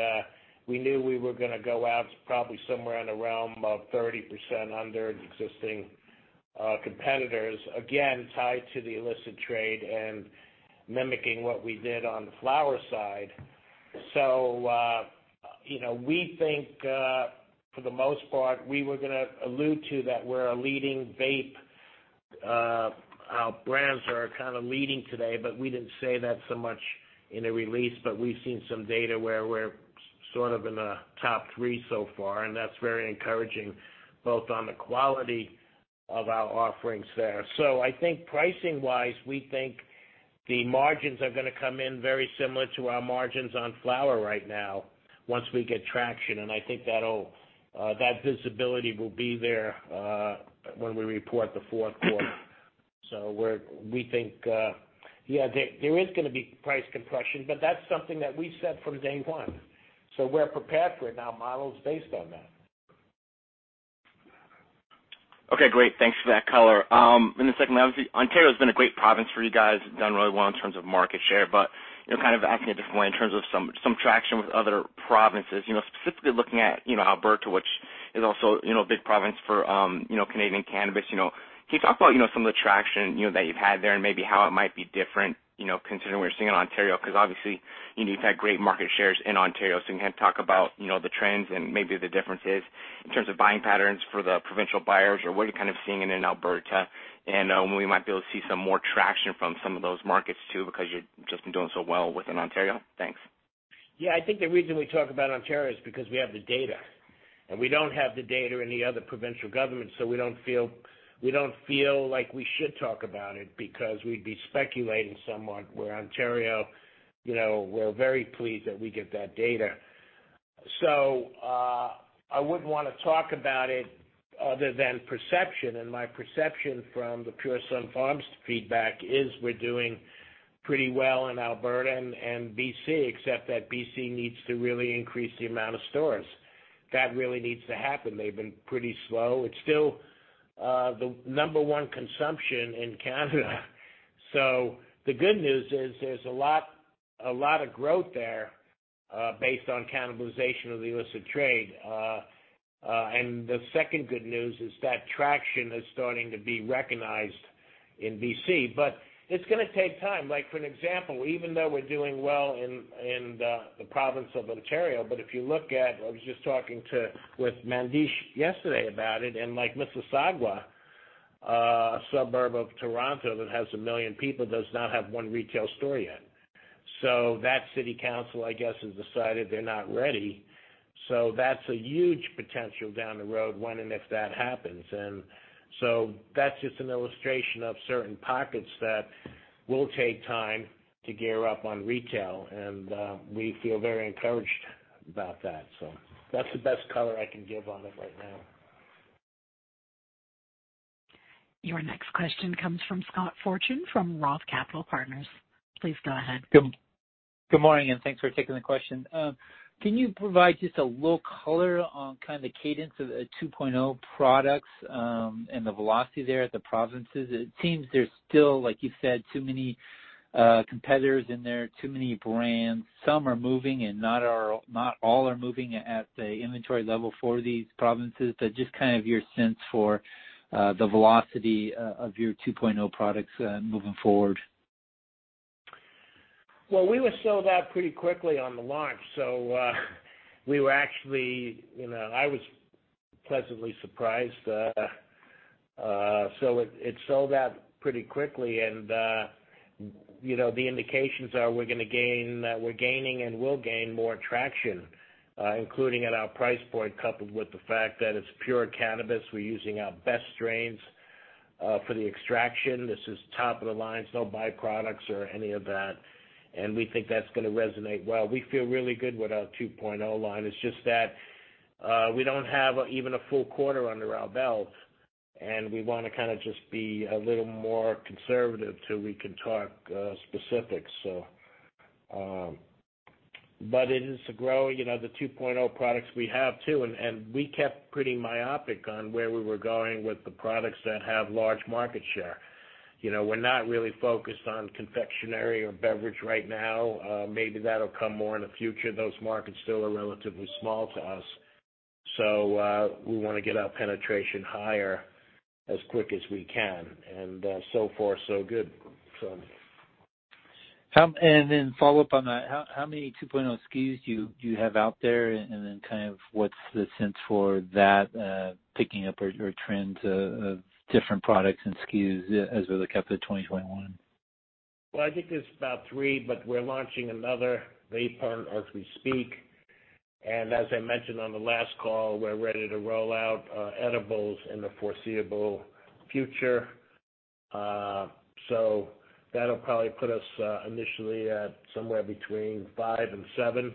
Speaker 2: we knew we were going to go out probably somewhere in the realm of 30% under existing competitors, again, tied to the illicit trade and mimicking what we did on the flower side. We think, for the most part, we were going to allude to that we're a leading vape. Our brands are kind of leading today, but we didn't say that so much in the release, but we've seen some data where we're sort of in the top three so far, and that's very encouraging, both on the quality of our offerings there. I think pricing wise, we think the margins are going to come in very similar to our margins on flower right now once we get traction, and I think that visibility will be there when we report the fourth quarter. We think, yeah, there is going to be price compression, but that's something that we said from day one. We're prepared for it. Our model is based on that.
Speaker 7: Okay, great. Thanks for that color. The second, obviously, Ontario has been a great province for you guys, done really well in terms of market share, but kind of asking a different way in terms of some traction with other provinces. Specifically looking at Alberta, which is also a big province for Canadian cannabis. Can you talk about some of the traction that you've had there and maybe how it might be different considering what you're seeing in Ontario? Obviously, you've had great market shares in Ontario. Can you kind of talk about the trends and maybe the differences in terms of buying patterns for the provincial buyers, or what you're kind of seeing in Alberta? When we might be able to see some more traction from some of those markets, too, because you've just been doing so well within Ontario. Thanks.
Speaker 2: Yeah, I think the reason we talk about Ontario is because we have the data, and we don't have the data in the other provincial governments, we don't feel like we should talk about it because we'd be speculating somewhat, where Ontario, we're very pleased that we get that data. I wouldn't want to talk about it other than perception. My perception from the Pure Sunfarms feedback is we're doing pretty well in Alberta and BC, except that BC needs to really increase the amount of stores. That really needs to happen. They've been pretty slow. It's still the number one consumption in Canada. The good news is there's a lot of growth there based on cannibalization of the illicit trade. The second good news is that traction is starting to be recognized in BC. It's going to take time. Like, for an example, even though we're doing well in the province of Ontario, but if you look at, I was just talking with Mandesh yesterday about it, and Mississauga, a suburb of Toronto that has a million people, does not have one retail store yet. That city council, I guess, has decided they're not ready. That's a huge potential down the road when and if that happens. That's just an illustration of certain pockets that will take time to gear up on retail, and we feel very encouraged about that. That's the best color I can give on it right now.
Speaker 1: Your next question comes from Scott Fortune from ROTH Capital Partners. Please go ahead.
Speaker 8: Good morning, thanks for taking the question. Can you provide just a little color on kind of the cadence of the 2.0 products and the velocity there at the provinces? It seems there's still, like you said, too many competitors in there, too many brands. Some are moving, and not all are moving at the inventory level for these provinces. Just kind of your sense for the velocity of your 2.0 products moving forward.
Speaker 2: Well, we were sold out pretty quickly on the launch, so I was pleasantly surprised. It sold out pretty quickly, and the indications are we're gaining and will gain more traction, including at our price point, coupled with the fact that it's pure cannabis. We're using our best strains. For the extraction, this is top of the line, so no byproducts or any of that, and we think that's going to resonate well. We feel really good with our 2.0 line. It's just that we don't have even a full quarter under our belt, and we want to just be a little more conservative till we can talk specifics. It is growing. The 2.0 products we have, too, and we kept pretty myopic on where we were going with the products that have large market share. We're not really focused on confectionery or beverage right now. Maybe that'll come more in the future. Those markets still are relatively small to us. We want to get our penetration higher as quick as we can, and so far, so good.
Speaker 8: Follow up on that, how many 2.0 SKUs do you have out there, and then what's the sense for that picking up or trends of different products and SKUs as we look up to 2021?
Speaker 2: Well, I think there's about three. We're launching another vape product as we speak. As I mentioned on the last call, we're ready to roll out edibles in the foreseeable future. That'll probably put us initially at somewhere between five and seven.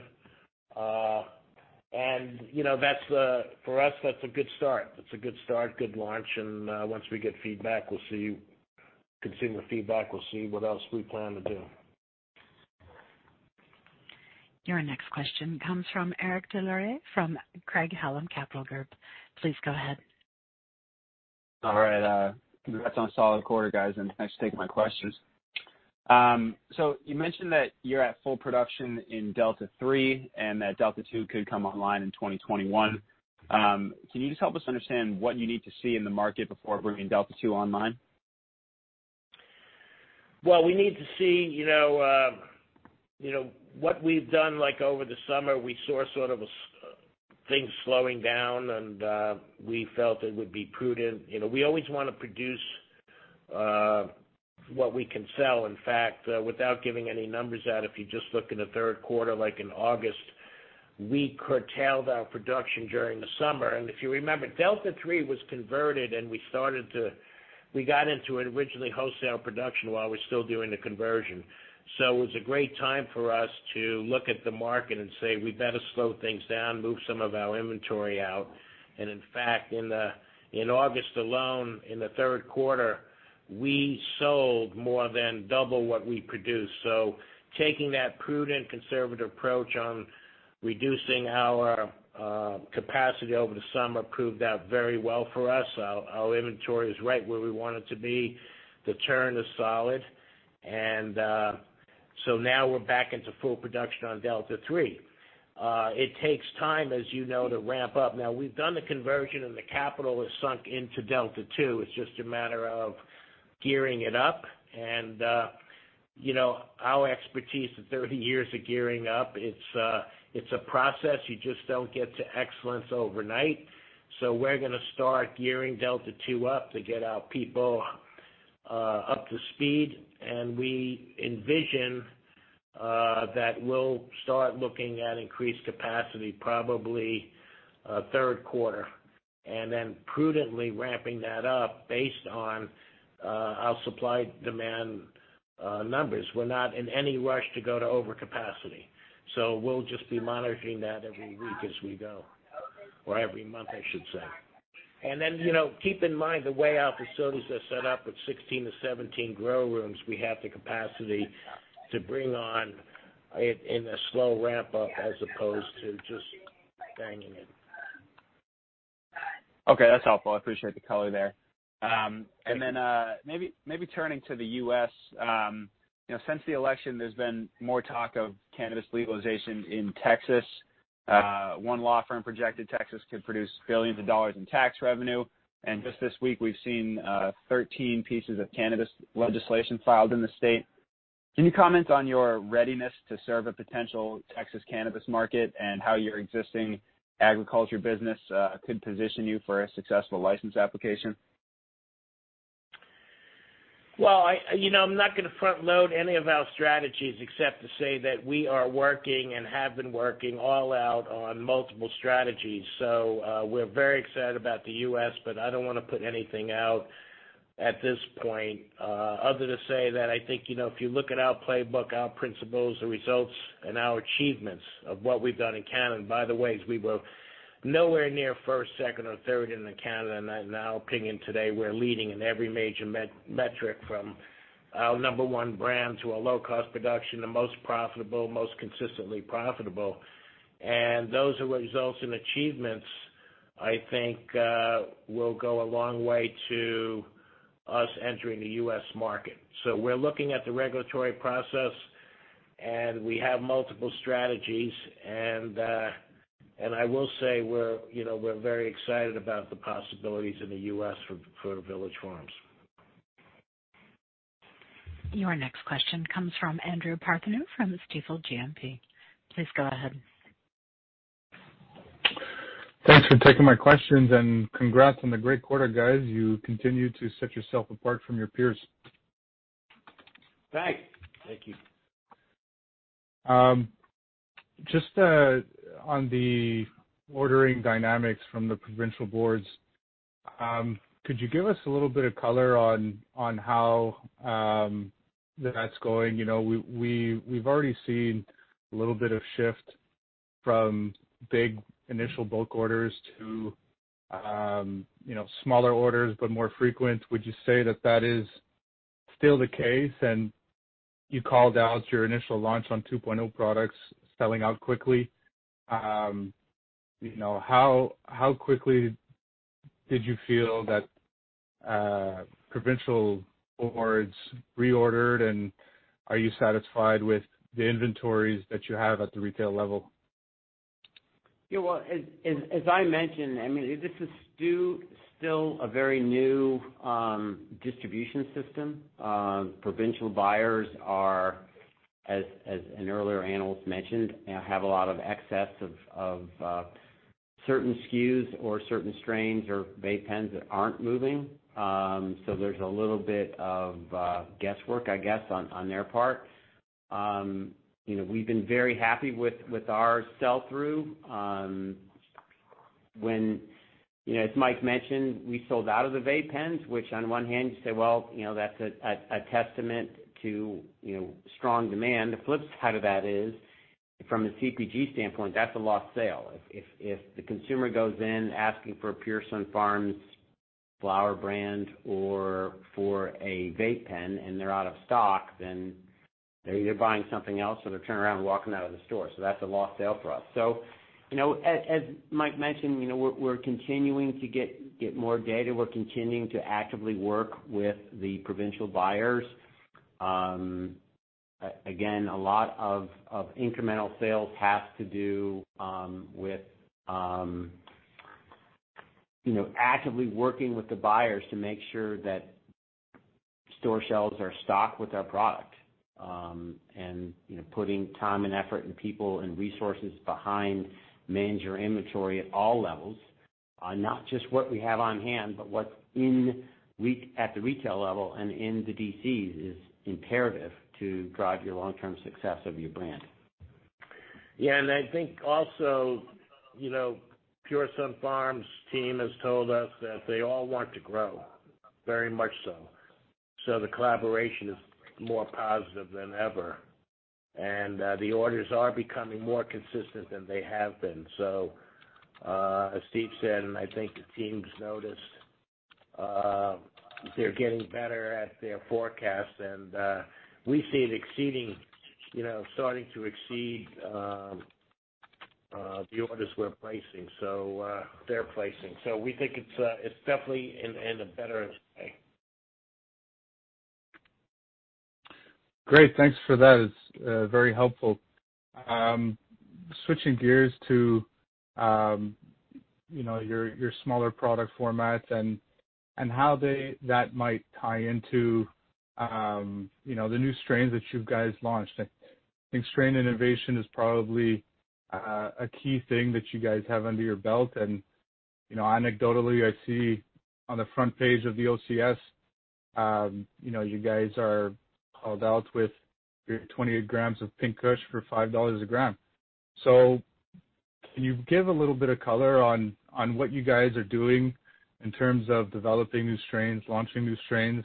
Speaker 2: For us, that's a good start. That's a good start, good launch, and once we get consumer feedback, we'll see what else we plan to do.
Speaker 1: Your next question comes from Eric Des Lauriers from Craig-Hallum Capital Group. Please go ahead.
Speaker 9: All right. Congrats on a solid quarter, guys, and thanks for taking my questions. You mentioned that you're at full production in Delta 3 and that Delta 2 could come online in 2021. Can you just help us understand what you need to see in the market before bringing Delta 2 online?
Speaker 2: Well, we need to see what we've done, like over the summer, we saw things slowing down, and we felt it would be prudent. We always want to produce what we can sell. In fact, without giving any numbers out, if you just look in the third quarter, like in August, we curtailed our production during the summer. If you remember, Delta 3 was converted, and we got into it originally wholesale production while we're still doing the conversion. It was a great time for us to look at the market and say, "We better slow things down, move some of our inventory out." In fact, in August alone, in the third quarter, we sold more than double what we produced. Taking that prudent, conservative approach on reducing our capacity over the summer proved out very well for us. Our inventory is right where we want it to be. The turn is solid. Now we're back into full production on Delta 3. It takes time, as you know, to ramp up. Now, we've done the conversion, and the capital is sunk into Delta 2. It's just a matter of gearing it up and our expertise of 30 years of gearing up, it's a process. You just don't get to excellence overnight. We're going to start gearing Delta 2 up to get our people up to speed. We envision that we'll start looking at increased capacity probably third quarter, then prudently ramping that up based on our supply-demand numbers. We're not in any rush to go to over capacity. We'll just be monitoring that every week as we go, or every month, I should say. Keep in mind, the way our facilities are set up with 16-17 grow rooms, we have the capacity to bring on in a slow ramp-up as opposed to just banging it.
Speaker 9: Okay, that's helpful. I appreciate the color there. Then maybe turning to the U.S. Since the election, there's been more talk of cannabis legalization in Texas. One law firm projected Texas could produce billions of dollars in tax revenue. Just this week, we've seen 13 pieces of cannabis legislation filed in the state. Can you comment on your readiness to serve a potential Texas cannabis market and how your existing agriculture business could position you for a successful license application?
Speaker 2: I'm not going to front load any of our strategies except to say that we are working and have been working all out on multiple strategies. We're very excited about the U.S., but I don't want to put anything out at this point. Other to say that I think, if you look at our playbook, our principles, the results, and our achievements of what we've done in Canada, and by the way, as we were nowhere near first, second, or third in Canada. In our opinion today, we're leading in every major metric from our number one brand to our low-cost production, the most profitable, most consistently profitable. Those results and achievements, I think, will go a long way to us entering the U.S. market. We're looking at the regulatory process, and we have multiple strategies, and I will say we're very excited about the possibilities in the U.S. for Village Farms.
Speaker 1: Your next question comes from Andrew Partheniou from Stifel GMP. Please go ahead.
Speaker 10: Thanks for taking my questions, and congrats on the great quarter, guys. You continue to set yourself apart from your peers.
Speaker 2: Thanks.
Speaker 3: Thank you.
Speaker 10: Just on the ordering dynamics from the provincial boards, could you give us a little bit of color on how that's going? We've already seen a little bit of shift from big initial bulk orders to smaller orders, but more frequent. Would you say that that is still the case? You called out your initial launch on 2.0 products selling out quickly. How quickly did you feel that provincial boards reordered, and are you satisfied with the inventories that you have at the retail level?
Speaker 3: Yeah, well, as I mentioned, this is still a very new distribution system. Provincial buyers are, as an earlier analyst mentioned, have a lot of excess of certain SKUs or certain strains or vape pens that aren't moving. There's a little bit of guesswork, I guess, on their part. We've been very happy with our sell-through. As Mike mentioned, we sold out of the vape pens, which on one hand, you say, well, that's a testament to strong demand. The flip side of that is, from a CPG standpoint, that's a lost sale. If the consumer goes in asking for a Pure Sunfarms flower brand or for a vape pen and they're out of stock, then they're either buying something else or they're turning around and walking out of the store. That's a lost sale for us. As Mike mentioned, we're continuing to get more data. We're continuing to actively work with the provincial buyers. Again, a lot of incremental sales has to do with actively working with the buyers to make sure that store shelves are stocked with our product. Putting time and effort and people and resources behind manage your inventory at all levels, on not just what we have on-hand, but what's in at the retail level and in the DCs is imperative to drive your long-term success of your brand.
Speaker 2: I think also, Pure Sunfarms team has told us that they all want to grow, very much so. The collaboration is more positive than ever. The orders are becoming more consistent than they have been. As Steve said, and I think the team's noticed, they are getting better at their forecasts, and we see it starting to exceed the orders they are placing. We think it is definitely in a better way.
Speaker 10: Great. Thanks for that. It's very helpful. Switching gears to your smaller product formats and how that might tie into the new strains that you guys launched. I think strain innovation is probably a key thing that you guys have under your belt. Anecdotally, I see on the front page of the OCS, you guys are called out with your 28 g of Pink Kush for 5 dollars a gram. Can you give a little bit of color on what you guys are doing in terms of developing new strains, launching new strains,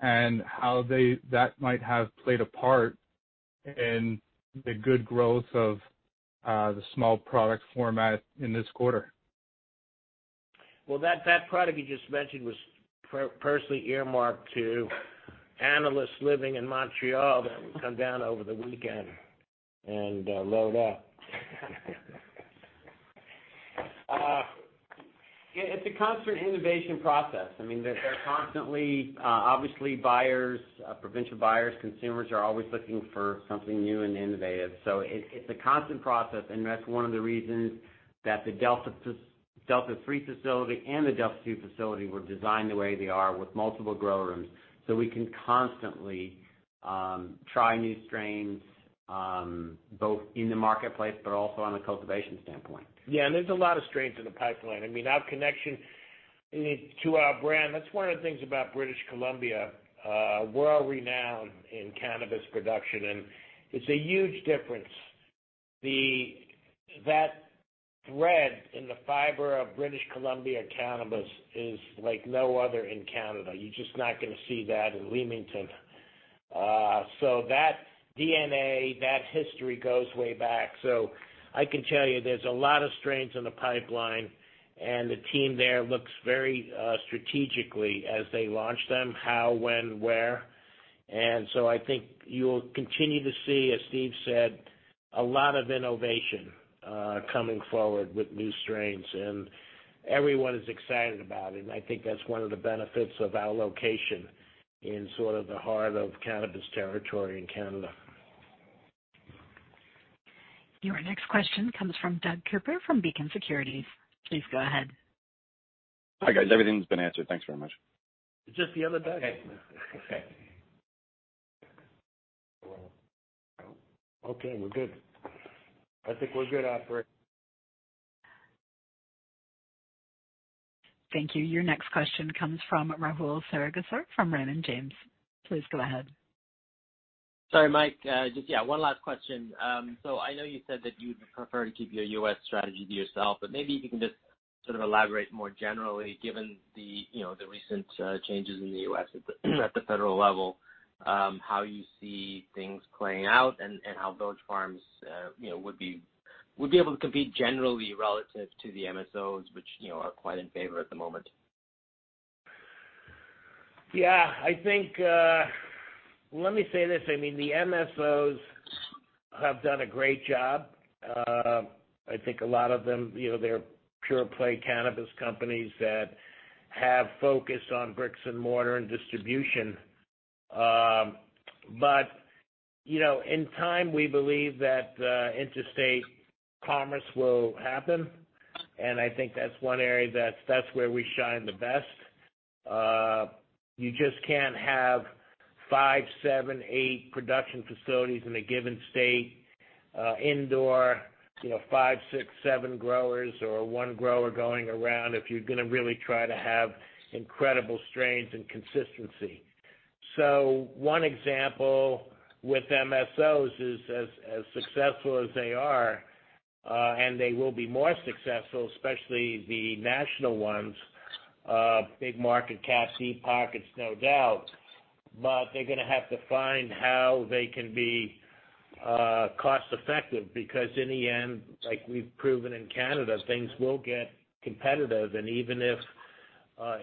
Speaker 10: and how that might have played a part in the good growth of the small product format in this quarter?
Speaker 2: Well, that product you just mentioned was personally earmarked to analysts living in Montreal that would come down over the weekend and load up.
Speaker 3: It's a constant innovation process. They're constantly, obviously, buyers, provincial buyers, consumers are always looking for something new and innovative. It's a constant process, and that's one of the reasons that the Delta 3 facility and the Delta 2 facility were designed the way they are, with multiple grow rooms, so we can constantly try new strains, both in the marketplace but also on the cultivation standpoint.
Speaker 2: Yeah, and there's a lot of strains in the pipeline. Our connection to our brand, that's one of the things about British Columbia, world-renowned in cannabis production, and it's a huge difference. That thread in the fiber of British Columbia cannabis is like no other in Canada. You're just not going to see that in Leamington. That DNA, that history goes way back. I can tell you, there's a lot of strains in the pipeline, and the team there looks very strategically as they launch them, how, when, where. I think you'll continue to see, as Steve said, a lot of innovation coming forward with new strains. Everyone is excited about it, and I think that's one of the benefits of our location in sort of the heart of cannabis territory in Canada.
Speaker 1: Your next question comes from Doug Cooper from Beacon Securities. Please go ahead.
Speaker 4: Hi, guys. Everything's been answered. Thanks very much.
Speaker 2: It's just the other Doug.
Speaker 3: Okay.
Speaker 2: Okay, we're good. I think we're good, operator.
Speaker 1: Thank you. Your next question comes from Rahul Sarugaser from Raymond James. Please go ahead.
Speaker 5: Sorry, Mike. Just, yeah, one last question. I know you said that you'd prefer to keep your U.S. strategy to yourself, but maybe you can just sort of elaborate more generally, given the recent changes in the U.S. at the federal level, how you see things playing out and how Village Farms would be able to compete generally relative to the MSOs, which are quite in favor at the moment.
Speaker 2: Yeah. Let me say this. I mean, the MSOs have done a great job. I think a lot of them, they're pure play cannabis companies that have focused on bricks and mortar and distribution. In time, we believe that interstate commerce will happen, and I think that's one area that's where we shine the best. You just can't have five, seven, eight production facilities in a given state, indoor, five, six, seven growers or one grower going around if you're going to really try to have incredible strains and consistency. One example with MSOs is, as successful as they are, and they will be more successful, especially the national ones, big market cap, deep pockets, no doubt, but they're going to have to find how they can be cost-effective. In the end, like we've proven in Canada, things will get competitive. Even if,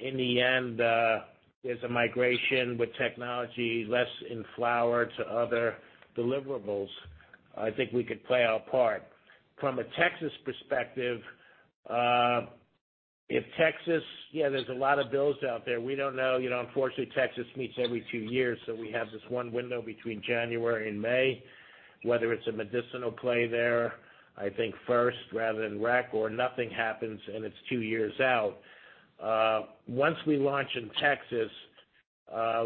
Speaker 2: in the end, there's a migration with technology less in flower to other deliverables, I think we could play our part. From a Texas perspective, if Texas, yeah, there's a lot of bills out there. We don't know. Unfortunately, Texas meets every two years, so we have this one window between January and May, whether it's a medicinal play there, I think first rather than rec, or nothing happens, and it's two years out. Once we launch in Texas,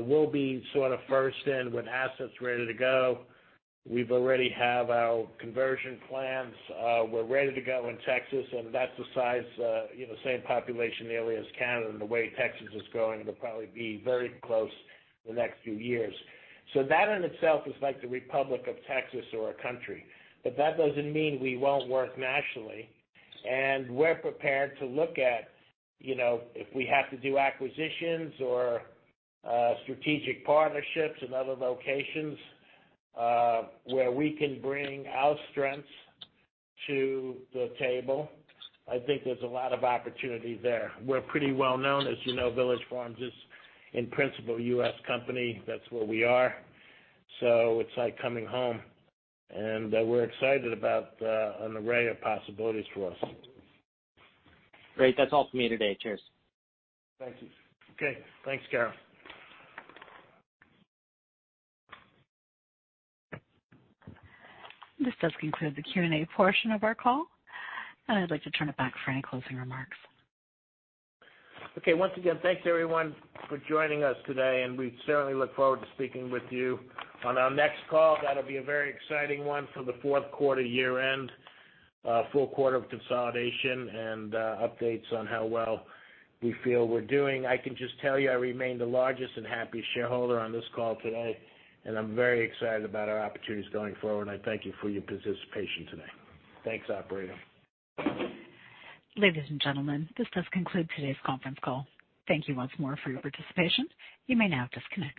Speaker 2: we'll be sort of first in with assets ready to go. We've already have our conversion plans. We're ready to go in Texas, and that's the size, same population nearly as Canada. The way Texas is growing, it'll probably be very close in the next few years. That in itself is like the Republic of Texas or a country. That doesn't mean we won't work nationally. We're prepared to look at if we have to do acquisitions or strategic partnerships in other locations where we can bring our strengths to the table. I think there's a lot of opportunity there. We're pretty well-known. As you know, Village Farms is, in principle, a U.S. company. That's where we are. It's like coming home. We're excited about an array of possibilities for us.
Speaker 5: Great. That's all for me today. Cheers.
Speaker 2: Thank you. Okay, thanks, Carol.
Speaker 1: This does conclude the Q&A portion of our call, and I'd like to turn it back for any closing remarks.
Speaker 2: Okay. Once again, thanks everyone for joining us today, and we certainly look forward to speaking with you on our next call. That'll be a very exciting one for the fourth quarter, year end, full quarter of consolidation and updates on how well we feel we're doing. I can just tell you, I remain the largest and happiest shareholder on this call today, and I'm very excited about our opportunities going forward, and I thank you for your participation today. Thanks, operator.
Speaker 1: Ladies and gentlemen, this does conclude today's conference call. Thank you once more for your participation. You may now disconnect.